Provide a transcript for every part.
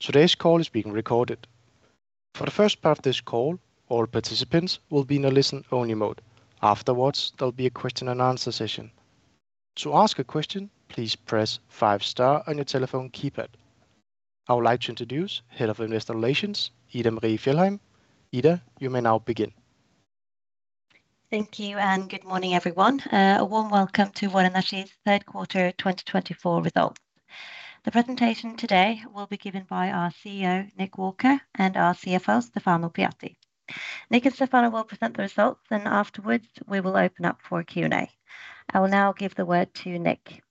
Today's call is being recorded. For the first part of this call, all participants will be in a listen-only mode. Afterwards, there'll be a question-and-answer session. To ask a question, please press five-star on your telephone keypad. I would like to introduce Head of Investor Relations, Ida Marie Fjellheim. Ida, you may now begin. Thank you, and good morning, everyone. A warm welcome to Vår Energi's Q3 2024 Results. The presentation today will be given by our CEO, Nick Walker, and our CFO, Stefano Pujatti. Nick and Stefano will present the results, and afterwards, we will open up for Q&A. I will now give the word to Nick.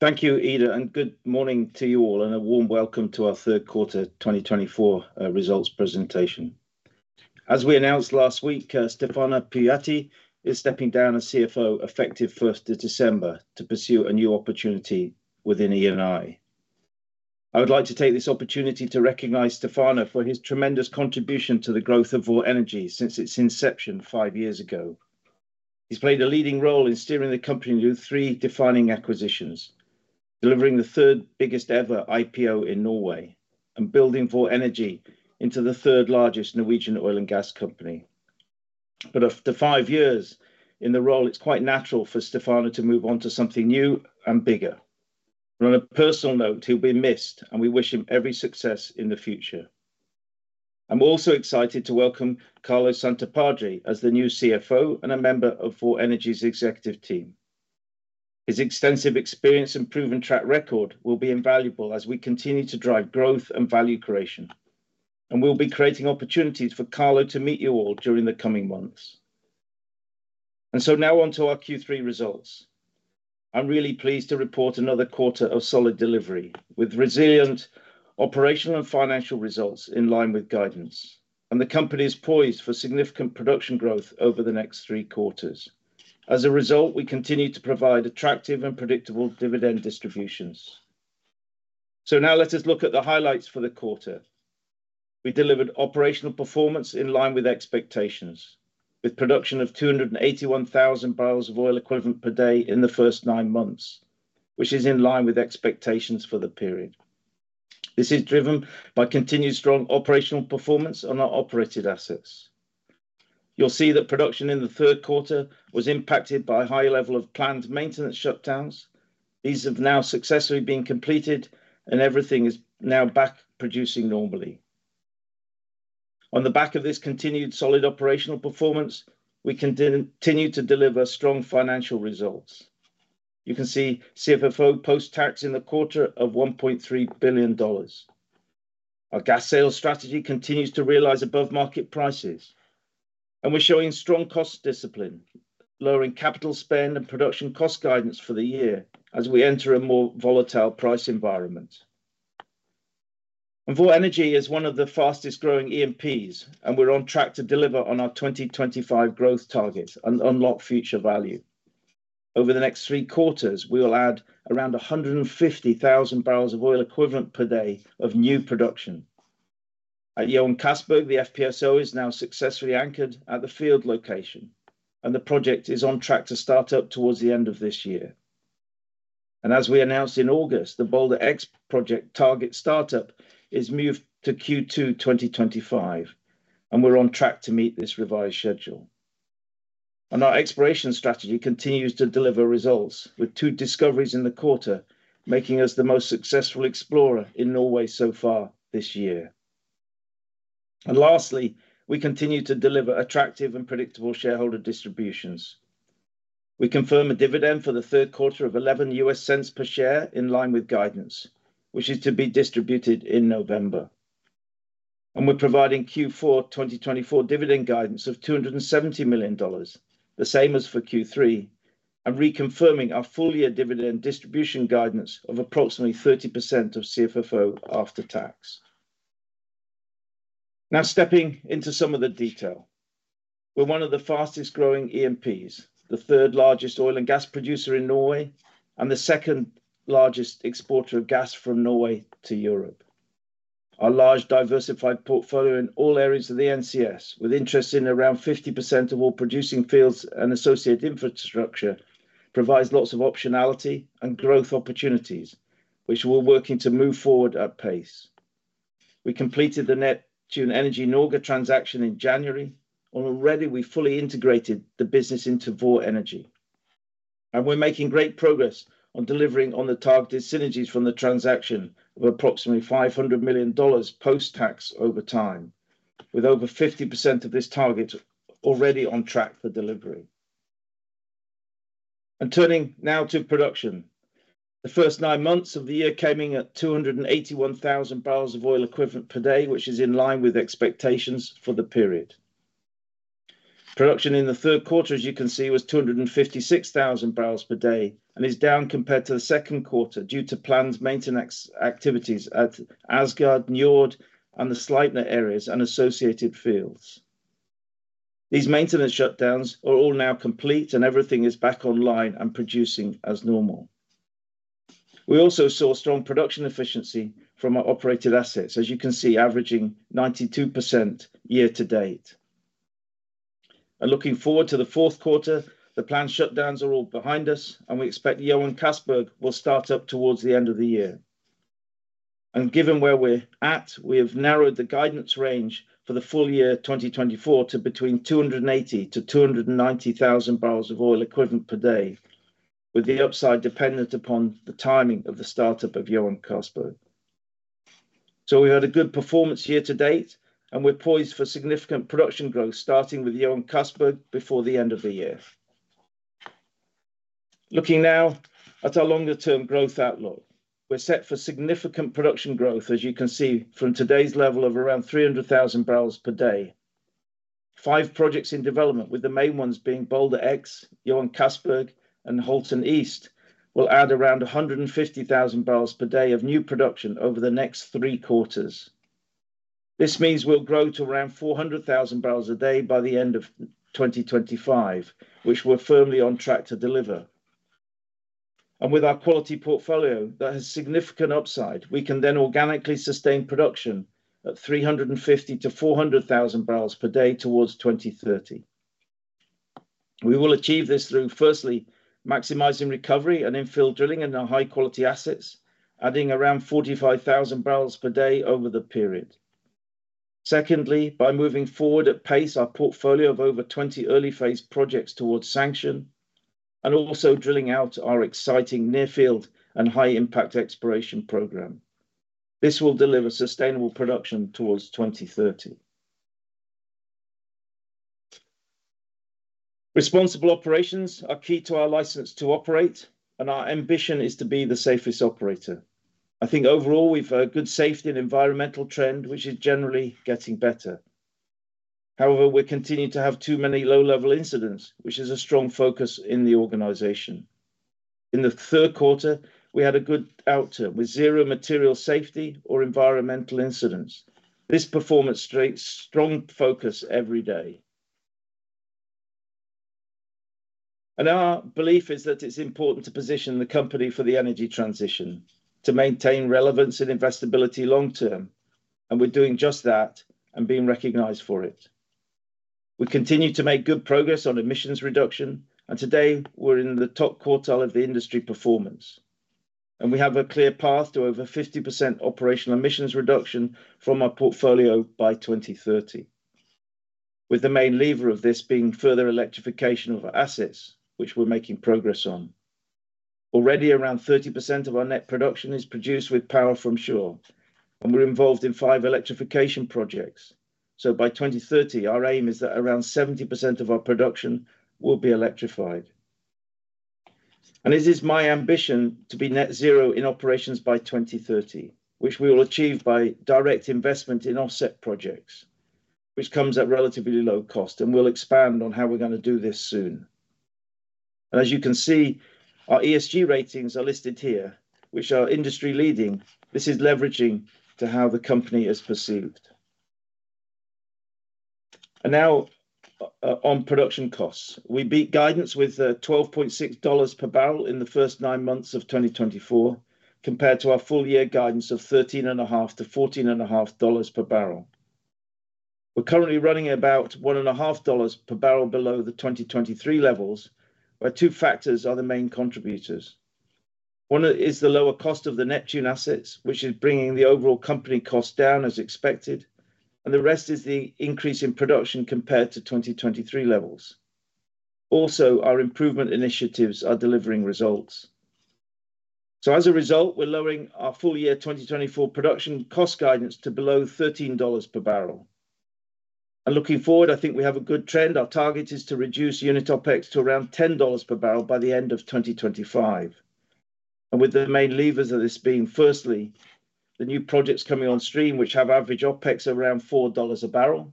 Thank you, Ida, and good morning to you all, and a warm welcome to our Q3 2024 Results Presentation. As we announced last week, Stefano Pujatti is stepping down as CFO effective 1st December to pursue a new opportunity within Eni. I would like to take this opportunity to recognize Stefano for his tremendous contribution to the growth of Vår Energi since its inception five years ago. He's played a leading role in steering the company through three defining acquisitions, delivering the third biggest-ever IPO in Norway, and building Vår Energi into the third-largest Norwegian oil and gas company. But after five years in the role, it's quite natural for Stefano to move on to something new and bigger. On a personal note, he'll be missed, and we wish him every success in the future. I'm also excited to welcome Carlo Santopadre as the new CFO and a member of Vår Energi's executive team. His extensive experience and proven track record will be invaluable as we continue to drive growth and value creation, and we'll be creating opportunities for Carlo to meet you all during the coming months. And so now on to our Q3 results. I'm really pleased to report another quarter of solid delivery with resilient operational and financial results in line with guidance, and the company is poised for significant production growth over the next three quarters. As a result, we continue to provide attractive and predictable dividend distributions. So now let us look at the highlights for the quarter. We delivered operational performance in line with expectations, with production of 281,000 barrels of oil equivalent per day in the first nine months, which is in line with expectations for the period. This is driven by continued strong operational performance on our operated assets. You'll see that production in the Q3 was impacted by a high level of planned maintenance shutdowns. These have now successfully been completed, and everything is now back producing normally. On the back of this continued solid operational performance, we continue to deliver strong financial results. You can see CFFO post-tax in the quarter of $1.3 billion. Our gas sales strategy continues to realize above-market prices, and we're showing strong cost discipline, lowering capital spend and production cost guidance for the year as we enter a more volatile price environment, and Vår Energi is one of the fastest-growing E&Ps, and we're on track to deliver on our 2025 growth targets and unlock future value. Over the next three quarters, we will add around 150,000 barrels of oil equivalent per day of new production. At Johan Castberg, the FPSO is now successfully anchored at the field location, and the project is on track to start up towards the end of this year. And as we announced in August, the Balder X project target startup is moved to Q2 2025, and we're on track to meet this revised schedule. And our exploration strategy continues to deliver results, with two discoveries in the quarter making us the most successful explorer in Norway so far this year. And lastly, we continue to deliver attractive and predictable shareholder distributions. We confirm a dividend for the Q3 of $0.11 per share in line with guidance, which is to be distributed in November. And we're providing Q4 2024 dividend guidance of $270 million, the same as for Q3, and reconfirming our full-year dividend distribution guidance of approximately 30% of CFFO after tax. Now stepping into some of the detail. We're one of the fastest-growing E&Ps, the third-largest oil and gas producer in Norway, and the second-largest exporter of gas from Norway to Europe. Our large diversified portfolio in all areas of the NCS, with interest in around 50% of all producing fields and associated infrastructure, provides lots of optionality and growth opportunities, which were working to move forward at pace. We completed the Neptune Energy Norway transaction in January, and already we fully integrated the business into Vår Energi. We're making great progress on delivering on the targeted synergies from the transaction of approximately $500 million post-tax over time, with over 50% of this target already on track for delivery. Turning now to production. The first nine months of the year came in at 281,000 barrels of oil equivalent per day, which is in line with expectations for the period. Production in the Q3, as you can see, was 256,000 barrels per day and is down compared to the Q2 due to planned maintenance activities at Åsgard, Njord, and the Sleipner areas and associated fields. These maintenance shutdowns are all now complete, and everything is back online and producing as normal. We also saw strong production efficiency from our operated assets, as you can see, averaging 92% year to date. And looking forward to the Q4, the planned shutdowns are all behind us, and we expect Johan Castberg will start up towards the end of the year. And given where we're at, we have narrowed the guidance range for the full year 2024 to between 280,000 to 290,000 barrels of oil equivalent per day, with the upside dependent upon the timing of the startup of Johan Castberg. We've had a good performance year to date, and we're poised for significant production growth, starting with Johan Castberg before the end of the year. Looking now at our longer-term growth outlook, we're set for significant production growth, as you can see from today's level of around 300,000 barrels per day. Five projects in development, with the main ones being Balder X, Johan Castberg, and Halten East, will add around 150,000 barrels per day of new production over the next three quarters. This means we'll grow to around 400,000 barrels a day by the end of 2025, which we're firmly on track to deliver. With our quality portfolio that has significant upside, we can then organically sustain production at 350,000 to 400,000 barrels per day towards 2030. We will achieve this through, firstly, maximizing recovery and infill drilling in our high-quality assets, adding around 45,000 barrels per day over the period. Secondly, by moving forward at pace, our portfolio of over 20 early-phase projects towards sanction, and also drilling out our exciting near-field and high-impact exploration program. This will deliver sustainable production towards 2030. Responsible operations are key to our license to operate, and our ambition is to be the safest operator. I think overall we've a good safety and environmental trend, which is generally getting better. However, we continue to have too many low-level incidents, which is a strong focus in the organization. In the Q3, we had a good outcome with zero material safety or environmental incidents. This performance stems from strong focus every day. Our belief is that it's important to position the company for the energy transition, to maintain relevance and investability long-term, and we're doing just that and being recognized for it. We continue to make good progress on emissions reduction, and today we're in the top quartile of the industry performance, and we have a clear path to over 50% operational emissions reduction from our portfolio by 2030, with the main lever of this being further electrification of our assets, which we're making progress on. Already around 30% of our net production is produced with power from shore, and we're involved in five electrification projects. By 2030, our aim is that around 70% of our production will be electrified. It is my ambition to be net zero in operations by 2030, which we will achieve by direct investment in offset projects, which comes at relatively low cost, and we'll expand on how we're going to do this soon. As you can see, our ESG ratings are listed here, which are industry-leading. This is leveraging to how the company is perceived. Now on production costs. We beat guidance with $12.6 per barrel in the first nine months of 2024, compared to our full-year guidance of $13.5-$14.5 per barrel. We're currently running about $1.5 per barrel below the 2023 levels, where two factors are the main contributors. One is the lower cost of the Neptune assets, which is bringing the overall company cost down as expected, and the rest is the increase in production compared to 2023 levels. Also, our improvement initiatives are delivering results. So as a result, we're lowering our full-year 2024 production cost guidance to below $13 per barrel. Looking forward, I think we have a good trend. Our target is to reduce unit OpEx to around $10 per barrel by the end of 2025. With the main levers of this being, firstly, the new projects coming on stream, which have average OpEx around $4 a barrel.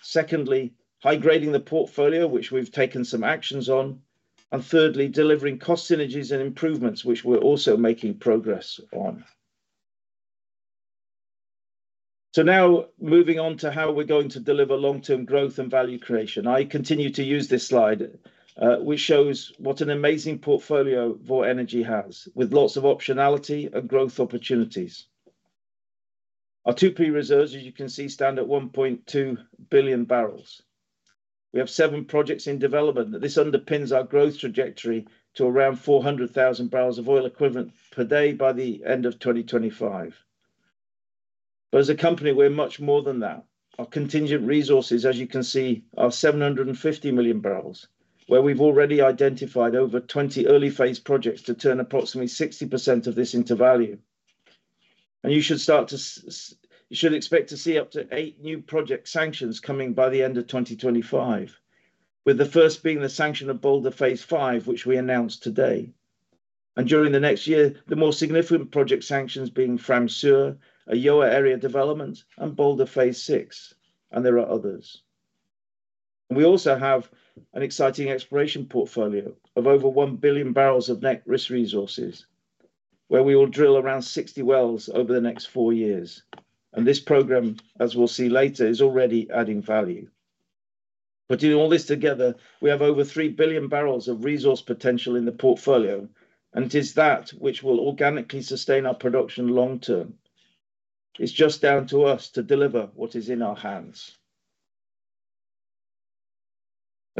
Secondly, high-grading the portfolio, which we've taken some actions on. Thirdly, delivering cost synergies and improvements, which we're also making progress on. Now moving on to how we're going to deliver long-term growth and value creation. I continue to use this slide, which shows what an amazing portfolio Vår Energi has, with lots of optionality and growth opportunities. Our 2P reserves, as you can see, stand at 1.2 billion barrels. We have seven projects in development. This underpins our growth trajectory to around 400,000 barrels of oil equivalent per day by the end of 2025. But as a company, we're much more than that. Our contingent resources, as you can see, are 750 million barrels, where we've already identified over 20 early-phase projects to turn approximately 60% of this into value. And you should start to expect to see up to eight new project sanctions coming by the end of 2025, with the first being the sanction of Balder Phase 5, which we announced today. And during the next year, the more significant project sanctions being Fram Sør, a Gjøa area development, and Balder Phase 6, and there are others. We also have an exciting exploration portfolio of over one billion barrels of net risk resources, where we will drill around 60 wells over the next four years. This program, as we'll see later, is already adding value. In all this together, we have over 3 billion barrels of resource potential in the portfolio, and it is that which will organically sustain our production long-term. It's just down to us to deliver what is in our hands.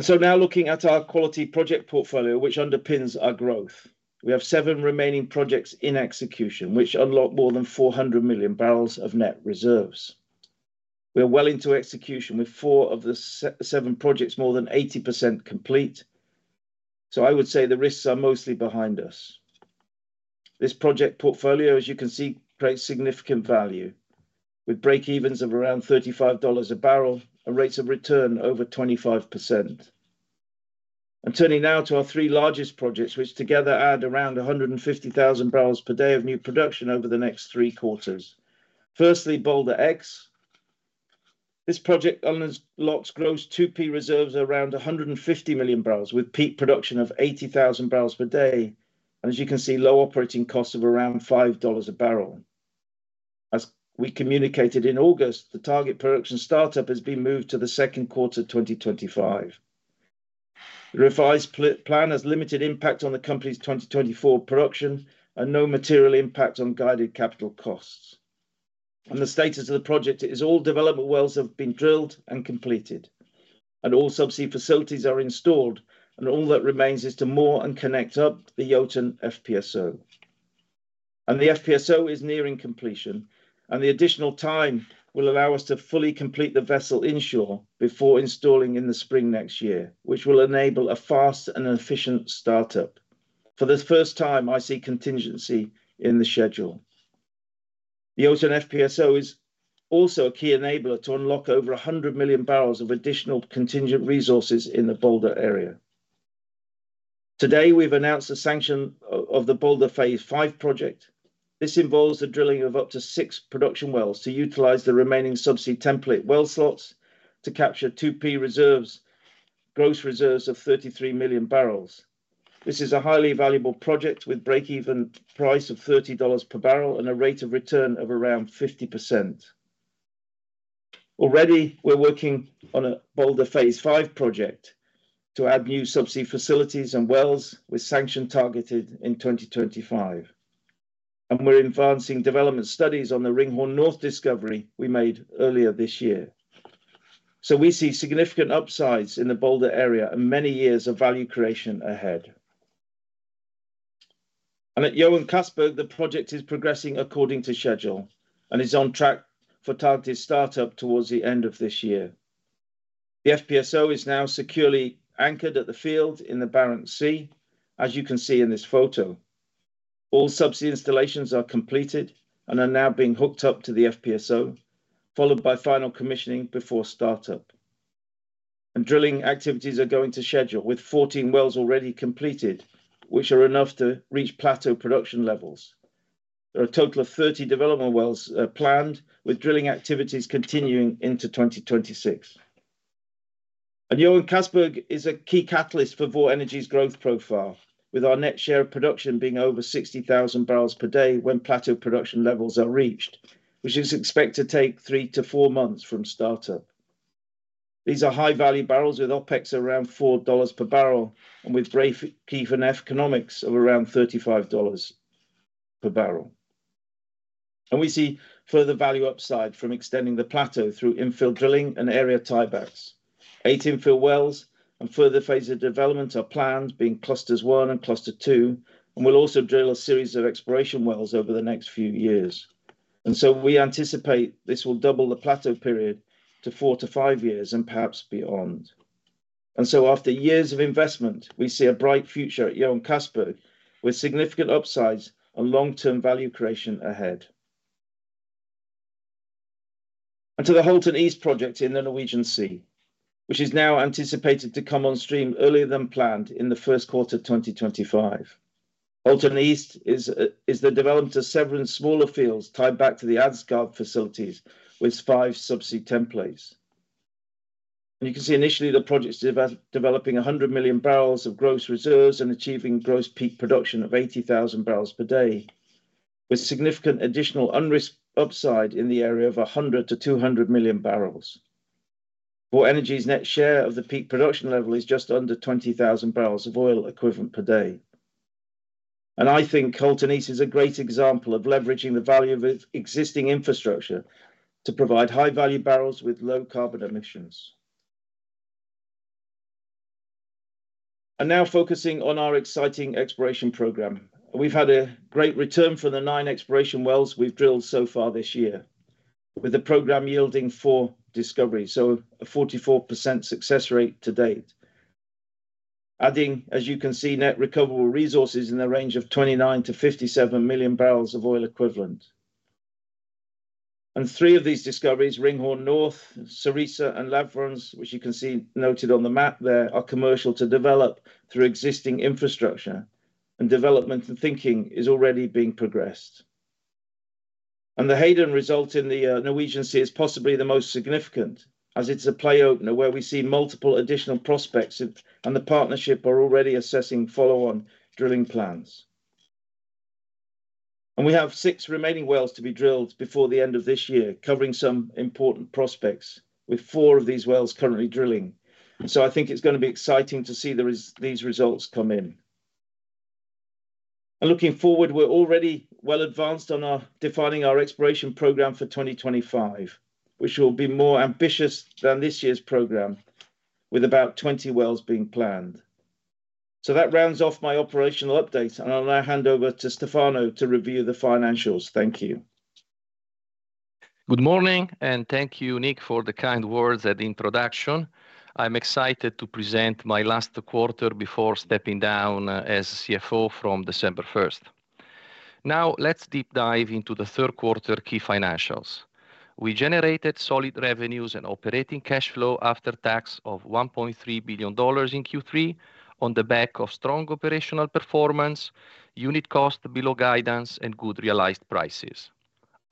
Now looking at our quality project portfolio, which underpins our growth, we have seven remaining projects in execution, which unlock more than 400 million barrels of net reserves. We're well into execution with four of the seven projects more than 80% complete. I would say the risks are mostly behind us. This project portfolio, as you can see, creates significant value, with break-evens of around $35 a barrel and rates of return over 25%. And turning now to our three largest projects, which together add around 150,000 barrels per day of new production over the next three quarters. Firstly, Balder X. This project unlocks gross 2P reserves of around 150 million barrels, with peak production of 80,000 barrels per day. And as you can see, low operating costs of around $5 a barrel. As we communicated in August, the target production startup has been moved to the Q2 of 2025. The revised plan has limited impact on the company's 2024 production and no material impact on guided capital costs. And the status of the project is all development wells have been drilled and completed, and all subsea facilities are installed, and all that remains is to moor and connect up the Jotun FPSO. The FPSO is nearing completion, and the additional time will allow us to fully complete the vessel inshore before installing in the spring next year, which will enable a fast and efficient startup. For the first time, I see contingency in the schedule. The Jotun FPSO is also a key enabler to unlock over 100 million barrels of additional contingent resources in the Balder area. Today, we've announced the sanction of the Balder Phase 5 project. This involves the drilling of up to six production wells to utilize the remaining subsea template well slots to capture 2P reserves, gross reserves of 33 million barrels. This is a highly valuable project with break-even price of $30 per barrel and a rate of return of around 50%. Already, we're working on a Balder Phase 6 project to add new subsea facilities and wells with sanction targeted in 2025. We're advancing development studies on the Ringhorne North Discovery we made earlier this year. We see significant upsides in the Balder area and many years of value creation ahead. At Johan Castberg, the project is progressing according to schedule and is on track for targeted startup towards the end of this year. The FPSO is now securely anchored at the field in the Barents Sea, as you can see in this photo. All subsea installations are completed and are now being hooked up to the FPSO, followed by final commissioning before startup. Drilling activities are on schedule with 14 wells already completed, which are enough to reach plateau production levels. There are a total of 30 development wells planned, with drilling activities continuing into 2026. Johan Castberg is a key catalyst for Vår Energi's growth profile, with our net share of production being over 60,000 barrels per day when plateau production levels are reached, which is expected to take three to four months from startup. These are high-value barrels with OpEx around $4 per barrel and with break-even economics of around $35 per barrel. We see further value upside from extending the plateau through infill drilling and area tiebacks. Eight infill wells and further phases of development are planned, being Cluster 1 and Cluster 2, and we'll also drill a series of exploration wells over the next few years. We anticipate this will double the plateau period to four to five years and perhaps beyond. After years of investment, we see a bright future at Johan Castberg with significant upsides and long-term value creation ahead. To the Halten East project in the Norwegian Sea, which is now anticipated to come on stream earlier than planned in the Q1 of 2025. Halten East is the development of several smaller fields tied back to the Åsgard facilities with five subsea templates. You can see initially the project is developing 100 million barrels of gross reserves and achieving gross peak production of 80,000 barrels per day, with significant additional unrisked upside in the area of 100 to 200 million barrels. Vår Energi's net share of the peak production level is just under 20,000 barrels of oil equivalent per day. I think Halten East is a great example of leveraging the value of existing infrastructure to provide high-value barrels with low carbon emissions. Now focusing on our exciting exploration program. We've had a great return from the nine exploration wells we've drilled so far this year, with the program yielding four discoveries, so a 44% success rate to date. Adding, as you can see, net recoverable resources in the range of 29-57 million barrels of oil equivalent. And three of these discoveries, Ringhorne North, Cerisa, and Lavrans, which you can see noted on the map there, are commercial to develop through existing infrastructure, and development and thinking is already being progressed. And the Halten result in the Norwegian Sea is possibly the most significant, as it's a play opener where we see multiple additional prospects, and the partnership are already assessing follow-on drilling plans. And we have six remaining wells to be drilled before the end of this year, covering some important prospects, with four of these wells currently drilling. I think it's going to be exciting to see these results come in. Looking forward, we're already well advanced on defining our exploration program for 2025, which will be more ambitious than this year's program, with about 20 wells being planned. That rounds off my operational updates, and I'll now hand over to Stefano to review the financials. Thank you. Good morning, and thank you, Nick, for the kind words at the introduction. I'm excited to present my last quarter before stepping down as CFO from December 1st. Now, let's deep dive into the Q3 key financials. We generated solid revenues and operating cash flow after tax of $1.3 billion in Q3 on the back of strong operational performance, unit cost below guidance, and good realized prices.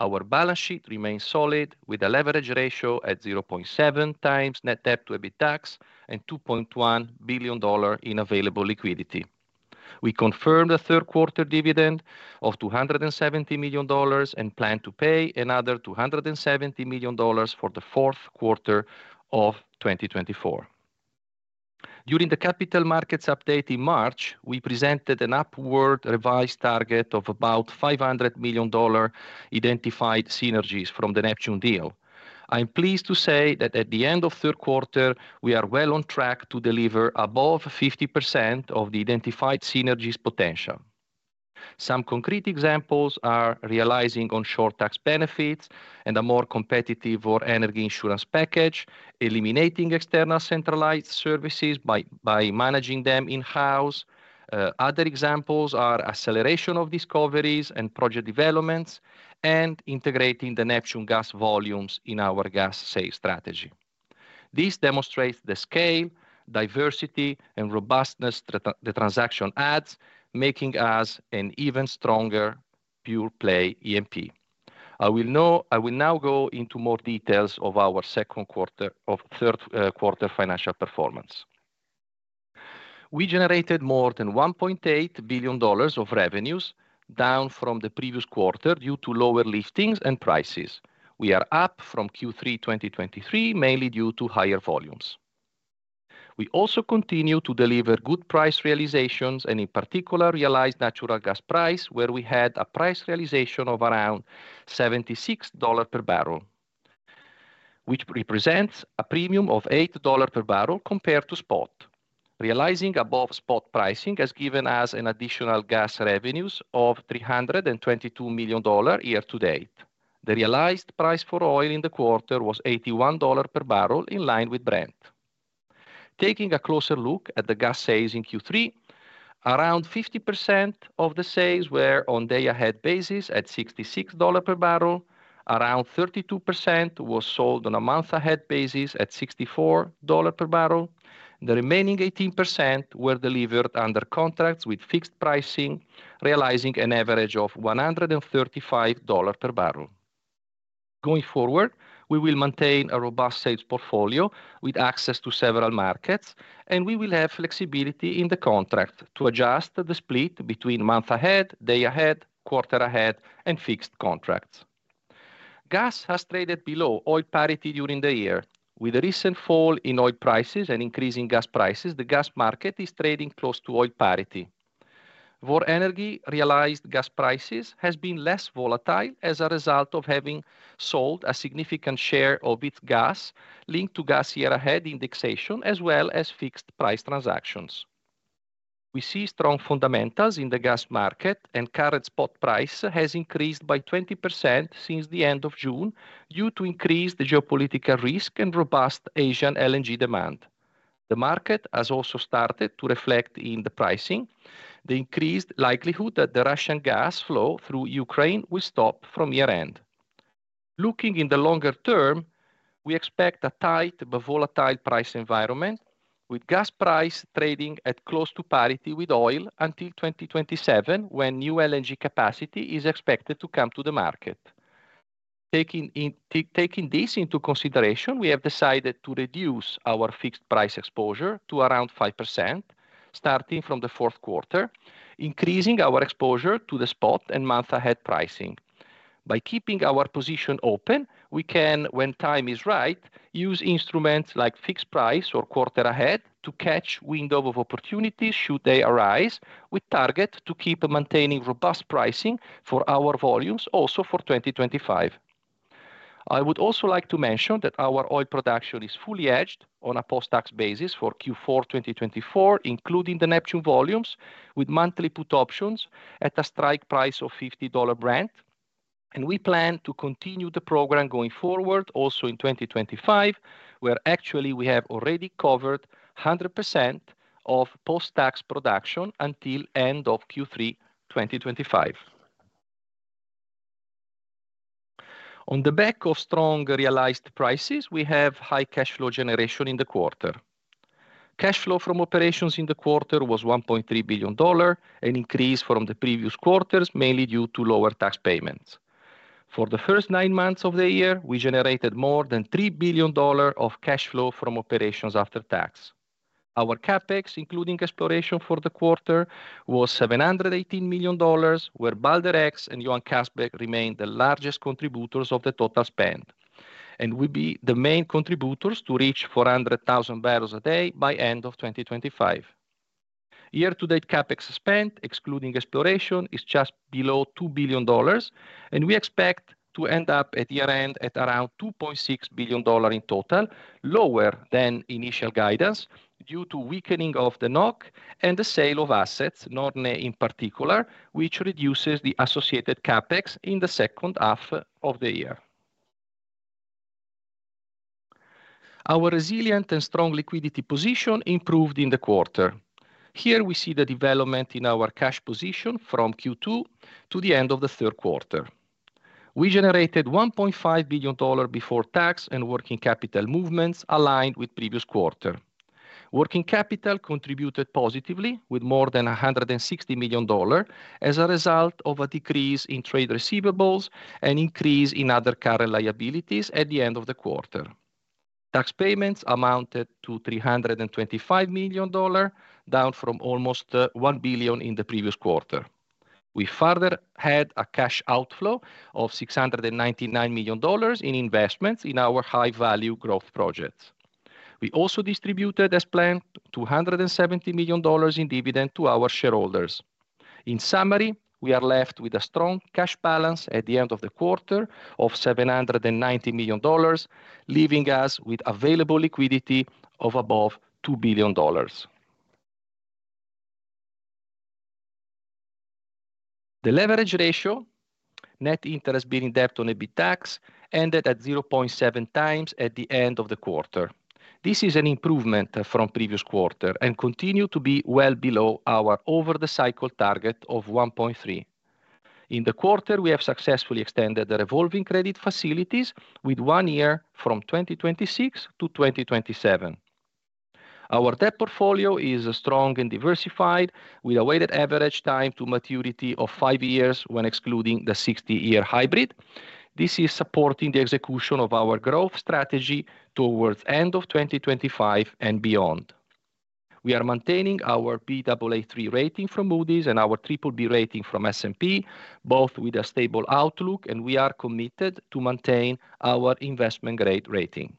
Our balance sheet remains solid with a leverage ratio at 0.7 times net debt to EBITDAX and $2.1 billion in available liquidity. We confirmed a Q3 dividend of $270 million and plan to pay another $270 million for the Q4 of 2024. During the capital markets update in March, we presented an upward revised target of about $500 million identified synergies from the Neptune deal. I'm pleased to say that at the end of Q3, we are well on track to deliver above 50% of the identified synergies potential. Some concrete examples are realizing onshore tax benefits and a more competitive Vår Energi insurance package, eliminating external centralized services by managing them in-house. Other examples are acceleration of discoveries and project developments and integrating the Neptune gas volumes in our gas sales strategy. This demonstrates the scale, diversity, and robustness the transaction adds, making us an even stronger pure play E&P. I will now go into more details of our second and Q3 financial performance. We generated more than $1.8 billion of revenues down from the previous quarter due to lower liftings and prices. We are up from Q3 2023, mainly due to higher volumes. We also continue to deliver good price realizations and, in particular, realized natural gas price, where we had a price realization of around $76 per barrel, which represents a premium of $8 per barrel compared to spot. Realizing above spot pricing has given us an additional gas revenues of $322 million year to date. The realized price for oil in the quarter was $81 per barrel, in line with Brent. Taking a closer look at the gas sales in Q3, around 50% of the sales were on day-ahead basis at $66 per barrel. Around 32% was sold on a month-ahead basis at $64 per barrel. The remaining 18% were delivered under contracts with fixed pricing, realizing an average of $135 per barrel. Going forward, we will maintain a robust sales portfolio with access to several markets, and we will have flexibility in the contract to adjust the split between month-ahead, day-ahead, quarter-ahead, and fixed contracts. Gas has traded below oil parity during the year. With the recent fall in oil prices and increasing gas prices, the gas market is trading close to oil parity. Vår Energi's realized gas prices have been less volatile as a result of having sold a significant share of its gas linked to gas year-ahead indexation, as well as fixed price transactions. We see strong fundamentals in the gas market, and current spot price has increased by 20% since the end of June due to increased geopolitical risk and robust Asian LNG demand. The market has also started to reflect in the pricing, the increased likelihood that the Russian gas flow through Ukraine will stop from year-end. Looking in the longer term, we expect a tight but volatile price environment, with gas price trading at close to parity with oil until 2027, when new LNG capacity is expected to come to the market. Taking this into consideration, we have decided to reduce our fixed price exposure to around 5% starting from the Q4, increasing our exposure to the spot and month-ahead pricing. By keeping our position open, we can, when time is right, use instruments like fixed price or quarter-ahead to catch window of opportunities should they arise, with target to keep maintaining robust pricing for our volumes also for 2025. I would also like to mention that our oil production is fully hedged on a post-tax basis for Q4 2024, including the Neptune volumes, with monthly put options at a strike price of $50 Brent, and we plan to continue the program going forward also in 2025, where actually we have already covered 100% of post-tax production until end of Q3 2025. On the back of strong realized prices, we have high cash flow generation in the quarter. Cash flow from operations in the quarter was $1.3 billion, an increase from the previous quarters, mainly due to lower tax payments. For the first nine months of the year, we generated more than $3 billion of cash flow from operations after tax. Our CapEx, including exploration for the quarter, was $718 million, where Balder X and Johan Castberg remained the largest contributors of the total spend, and we'll be the main contributors to reach 400,000 barrels a day by end of 2025. Year-to-date CapEx spent, excluding exploration, is just below $2 billion, and we expect to end up at year-end at around $2.6 billion in total, lower than initial guidance due to weakening of the NOK and the sale of assets, Norne in particular, which reduces the associated CapEx in the second half of the year. Our resilient and strong liquidity position improved in the quarter. Here we see the development in our cash position from Q2 to the end of the Q3. We generated $1.5 billion before tax and working capital movements aligned with previous quarter. Working capital contributed positively, with more than $160 million as a result of a decrease in trade receivables and increase in other current liabilities at the end of the quarter. Tax payments amounted to $325 million, down from almost $1 billion in the previous quarter. We further had a cash outflow of $699 million in investments in our high-value growth projects. We also distributed, as planned, $270 million in dividend to our shareholders. In summary, we are left with a strong cash balance at the end of the quarter of $790 million, leaving us with available liquidity of above $2 billion. The leverage ratio, net interest-bearing debt on EBITDAX, ended at 0.7 times at the end of the quarter. This is an improvement from previous quarter and continued to be well below our over-the-cycle target of 1.3. In the quarter, we have successfully extended the revolving credit facilities with one year from 2026 to 2027. Our debt portfolio is strong and diversified, with a weighted average time to maturity of five years when excluding the 60-year hybrid. This is supporting the execution of our growth strategy towards the end of 2025 and beyond. We are maintaining our Baa3 rating from Moody's and our BBB rating from S&P, both with a stable outlook, and we are committed to maintain our investment-grade rating.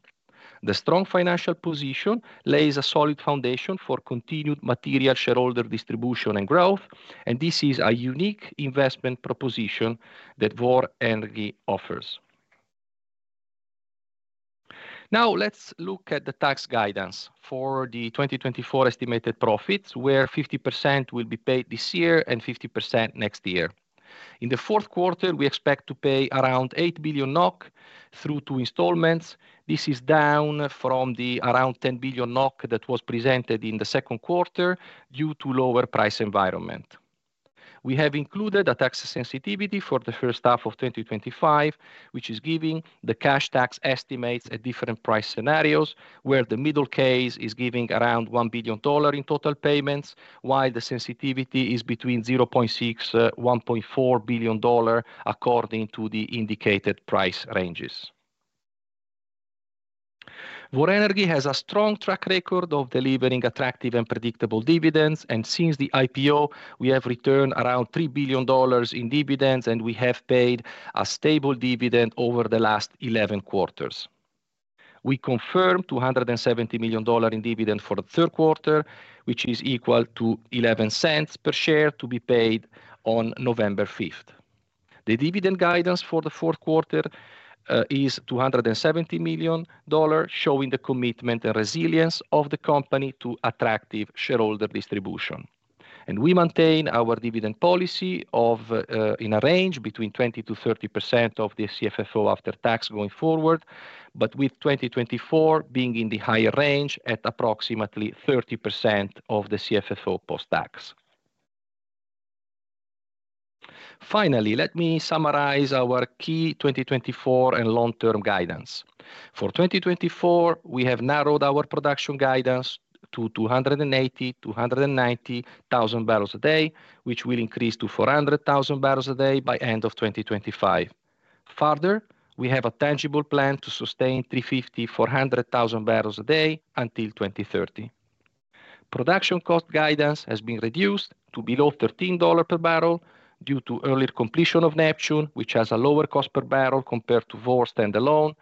The strong financial position lays a solid foundation for continued material shareholder distribution and growth, and this is a unique investment proposition that Vår Energi offers. Now, let's look at the tax guidance for the 2024 estimated profits, where 50% will be paid this year and 50% next year. In the Q4, we expect to pay around 8 billion NOK through two installments. This is down from the around 10 billion NOK that was presented in the Q2 due to lower price environment. We have included a tax sensitivity for the first half of 2025, which is giving the cash tax estimates at different price scenarios, where the middle case is giving around NOK 1 billion in total payments, while the sensitivity is between 0.6 billion and NOK 1.4 billion, according to the indicated price ranges. Vår Energi has a strong track record of delivering attractive and predictable dividends, and since the IPO, we have returned around NOK 3 billion in dividends, and we have paid a stable dividend over the last 11 quarters. We confirmed $270 million in dividend for the Q3, which is equal to $0.11 per share to be paid on November 5th. The dividend guidance for the Q4 is $270 million, showing the commitment and resilience of the company to attractive shareholder distribution, and we maintain our dividend policy in a range between 20% to 30% of the CFFO after tax going forward, but with 2024 being in the higher range at approximately 30% of the CFFO post-tax. Finally, let me summarize our key 2024 and long-term guidance. For 2024, we have narrowed our production guidance to 280,000-290,000 a day, which will increase to 400,000 a day by end of 2025. Further, we have a tangible plan to sustain 350,000-400,000 a day until 2030. Production cost guidance has been reduced to below $13 per barrel due to earlier completion of Neptune, which has a lower cost per barrel compared to Vår standalone,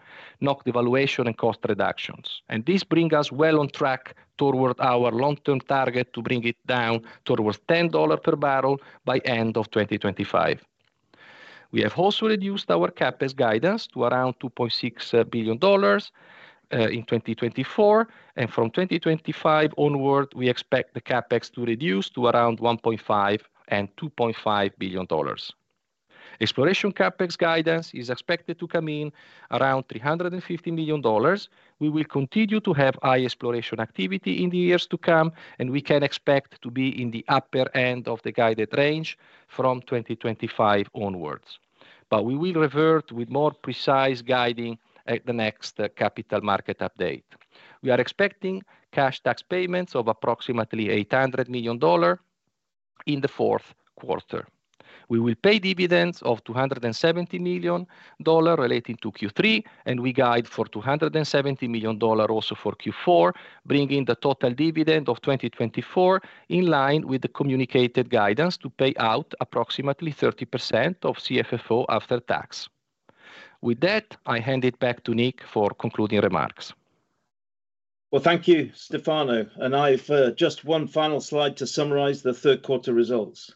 NOK devaluation, and cost reductions, and this brings us well on track toward our long-term target to bring it down towards $10 per barrel by end of 2025. We have also reduced our CapEx guidance to around $2.6 billion in 2024, and from 2025 onward, we expect the CapEx to reduce to around $1.5-$2.5 billion. Exploration CapEx guidance is expected to come in around $350 million. We will continue to have high exploration activity in the years to come, and we can expect to be in the upper end of the guided range from 2025 onwards, but we will revert with more precise guiding at the next capital market update. We are expecting cash tax payments of approximately $800 million in the Q4. We will pay dividends of $270 million relating to Q3, and we guide for $270 million also for Q4, bringing the total dividend of 2024 in line with the communicated guidance to pay out approximately 30% of CFFO after tax. With that, I hand it back to Nick for concluding remarks. Thank you, Stefano. And I have just one final slide to summarize the Q3 results.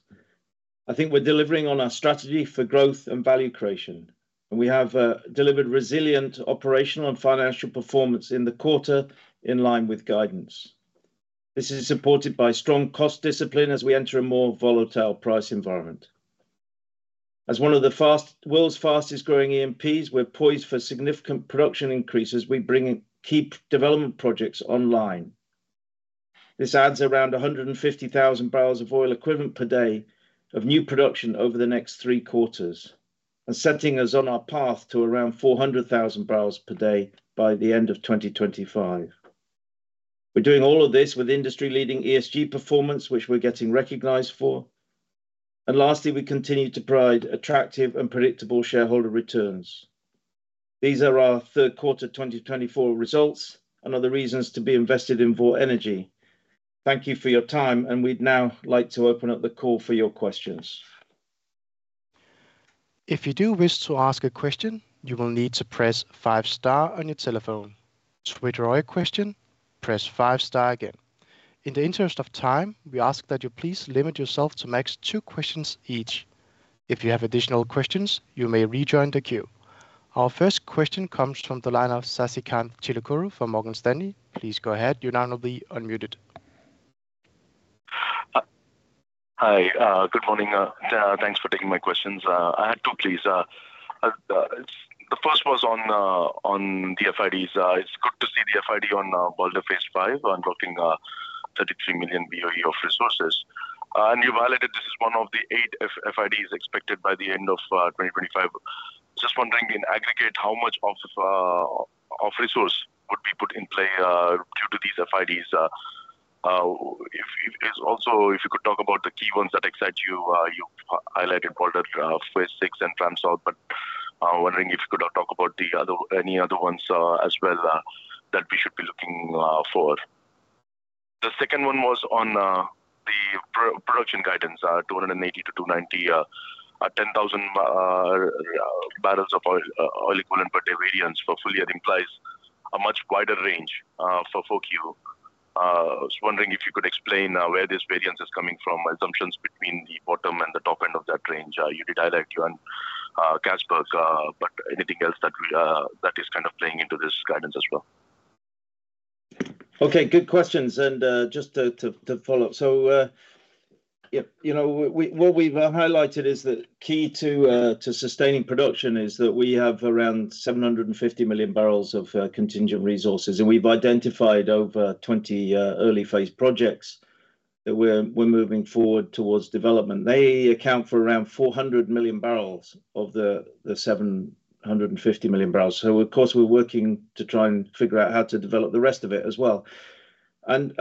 I think we're delivering on our strategy for growth and value creation, and we have delivered resilient operational and financial performance in the quarter in line with guidance. This is supported by strong cost discipline as we enter a more volatile price environment. As one of the world's fastest-growing E&Ps, we're poised for significant production increases as we bring key development projects online. This adds around 150,000 barrels of oil equivalent per day of new production over the next three quarters, and setting us on our path to around 400,000 barrels per day by the end of 2025. We're doing all of this with industry-leading ESG performance, which we're getting recognized for, and lastly, we continue to provide attractive and predictable shareholder returns. These are our Q3 2024 results and other reasons to be invested in Vår Energi. Thank you for your time, and we'd now like to open up the call for your questions. If you do wish to ask a question, you will need to press five stars on your telephone. To withdraw your question, press five stars again. In the interest of time, we ask that you please limit yourself to max two questions each. If you have additional questions, you may rejoin the queue. Our first question comes from the line of Sasikanth Chilukuru from Morgan Stanley. Please go ahead. You're now unmuted. Hi. Good morning. Thanks for taking my questions. I had two, please. The first was on the FIDs. It's good to see the FID on Balder Phase 5, unlocking 33 million of resources. And you validated this as one of the eight FIDs expected by the end of 2025. Just wondering, in aggregate, how much of resource would be put in play due to these FIDs? Also, if you could talk about the key ones that excite you. You highlighted Balder Phase 6 and Fram Sør, but I'm wondering if you could talk about any other ones as well that we should be looking for. The second one was on the production guidance, 280 to 290, 10,000 barrels of oil equivalent per day variance for fully. That implies a much wider range for FCF. I was wondering if you could explain where this variance is coming from, assumptions between the bottom and the top end of that range. You did highlight Johan Castberg, but anything else that is kind of playing into this guidance as well? Okay. Good questions. And just to follow up, so what we've highlighted is that key to sustaining production is that we have around 750 million barrels of contingent resources, and we've identified over 20 early-phase projects that we're moving forward towards development. They account for around 400 million barrels of the 750 million barrels. So, of course, we're working to try and figure out how to develop the rest of it as well. And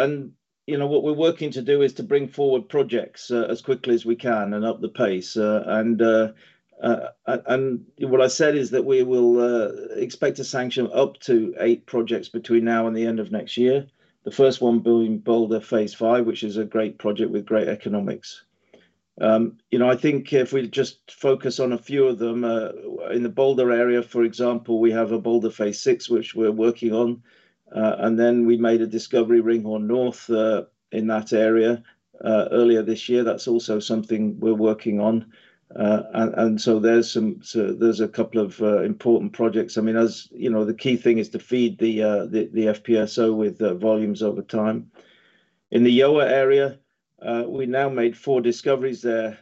what we're working to do is to bring forward projects as quickly as we can and up the pace. What I said is that we will expect a sanction up to eight projects between now and the end of next year, the first one being Balder Phase 5, which is a great project with great economics. I think if we just focus on a few of them, in the Balder area, for example, we have a Balder Phase 6, which we're working on, and then we made a discovery Ringhorne North in that area earlier this year. That's also something we're working on. And so there's a couple of important projects. I mean, the key thing is to feed the FPSO with volumes over time. In the Gjøa area, we now made four discoveries there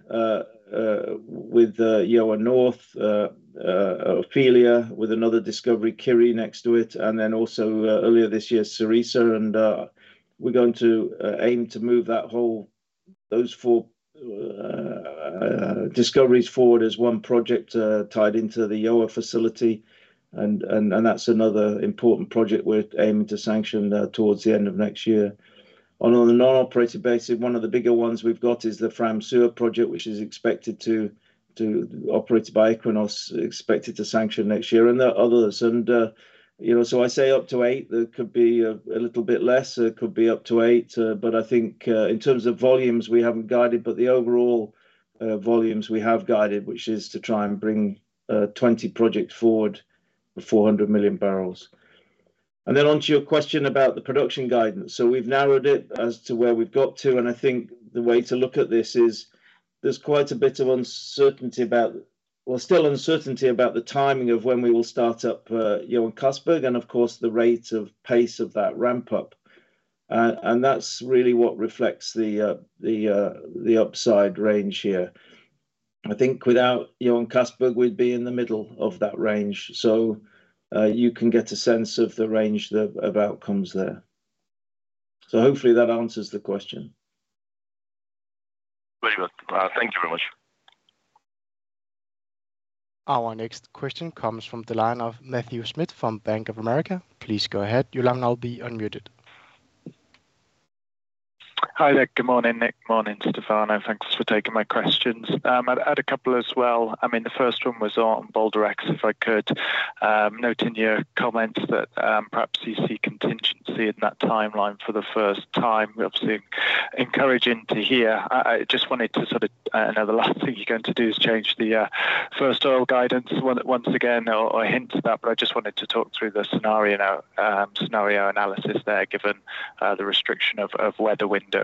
with Gjøa North, Ofelia, with another discovery, Kyrre next to it, and then also earlier this year, Cerisa. We're going to aim to move those four discoveries forward as one project tied into the Gjøa facility. That's another important project we're aiming to sanction towards the end of next year. On a non-operated basis, one of the bigger ones we've got is the Fram Sør project, which is expected to be operated by Equinor, expected to sanction next year. There are others. I say up to eight. There could be a little bit less. There could be up to eight. But I think in terms of volumes, we haven't guided, but the overall volumes we have guided, which is to try and bring 20 projects forward for 400 million barrels. Then onto your question about the production guidance. We've narrowed it as to where we've got to. I think the way to look at this is there's quite a bit of uncertainty about, well, still uncertainty about the timing of when we will start up Johan Castberg and, of course, the rate of pace of that ramp-up. And that's really what reflects the upside range here. I think without Johan Castberg, we'd be in the middle of that range. So you can get a sense of the range of outcomes there. So hopefully that answers the question. Very well. Thank you very much. Our next question comes from the line of Matthew Smith from Bank of America. Please go ahead. Your line will be unmuted. Hi, Nick. Good morning, Nick. Morning, Stefano. Thanks for taking my questions. I'd add a couple as well. I mean, the first one was on Balder X, if I could. Noting your comments that perhaps you see contingency in that timeline for the first time. Obviously, encouraging to hear. I just wanted to sort of, another last thing you're going to do is change the first oil guidance once again or hint at that, but I just wanted to talk through the scenario analysis there, given the restriction of weather windows.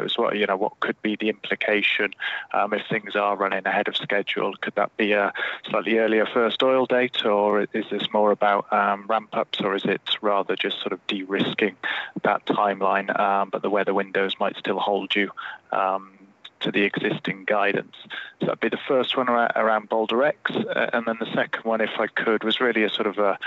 What could be the implication if things are running ahead of schedule? Could that be a slightly earlier first oil date, or is this more about ramp-ups, or is it rather just sort of de-risking that timeline, but the weather windows might still hold you to the existing guidance? So that'd be the first one around Balder X. And then the second one, if I could, was really a sort of a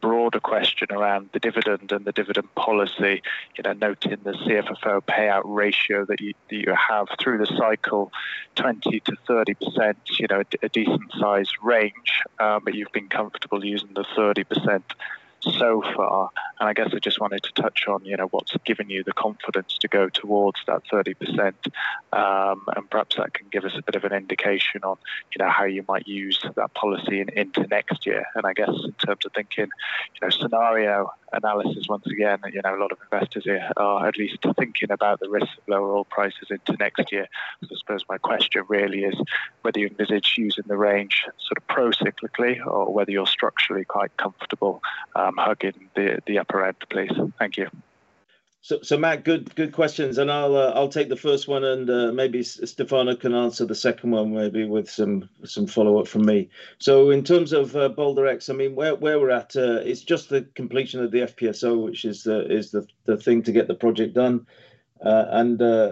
broader question around the dividend and the dividend policy, noting the CFFO payout ratio that you have through the cycle, 20%-30%, a decent-sized range, but you've been comfortable using the 30% so far. And I guess I just wanted to touch on what's given you the confidence to go towards that 30%, and perhaps that can give us a bit of an indication on how you might use that policy into next year. And I guess in terms of thinking scenario analysis, once again, a lot of investors are at least thinking about the risk of lower oil prices into next year. So I suppose my question really is whether you envisage using the range sort of pro-cyclically or whether you're structurally quite comfortable hugging the upper end, please. Thank you. Matt, good questions. I'll take the first one, and maybe Stefano can answer the second one maybe with some follow-up from me. In terms of Balder X, I mean, where we're at is just the completion of the FPSO, which is the thing to get the project done. We're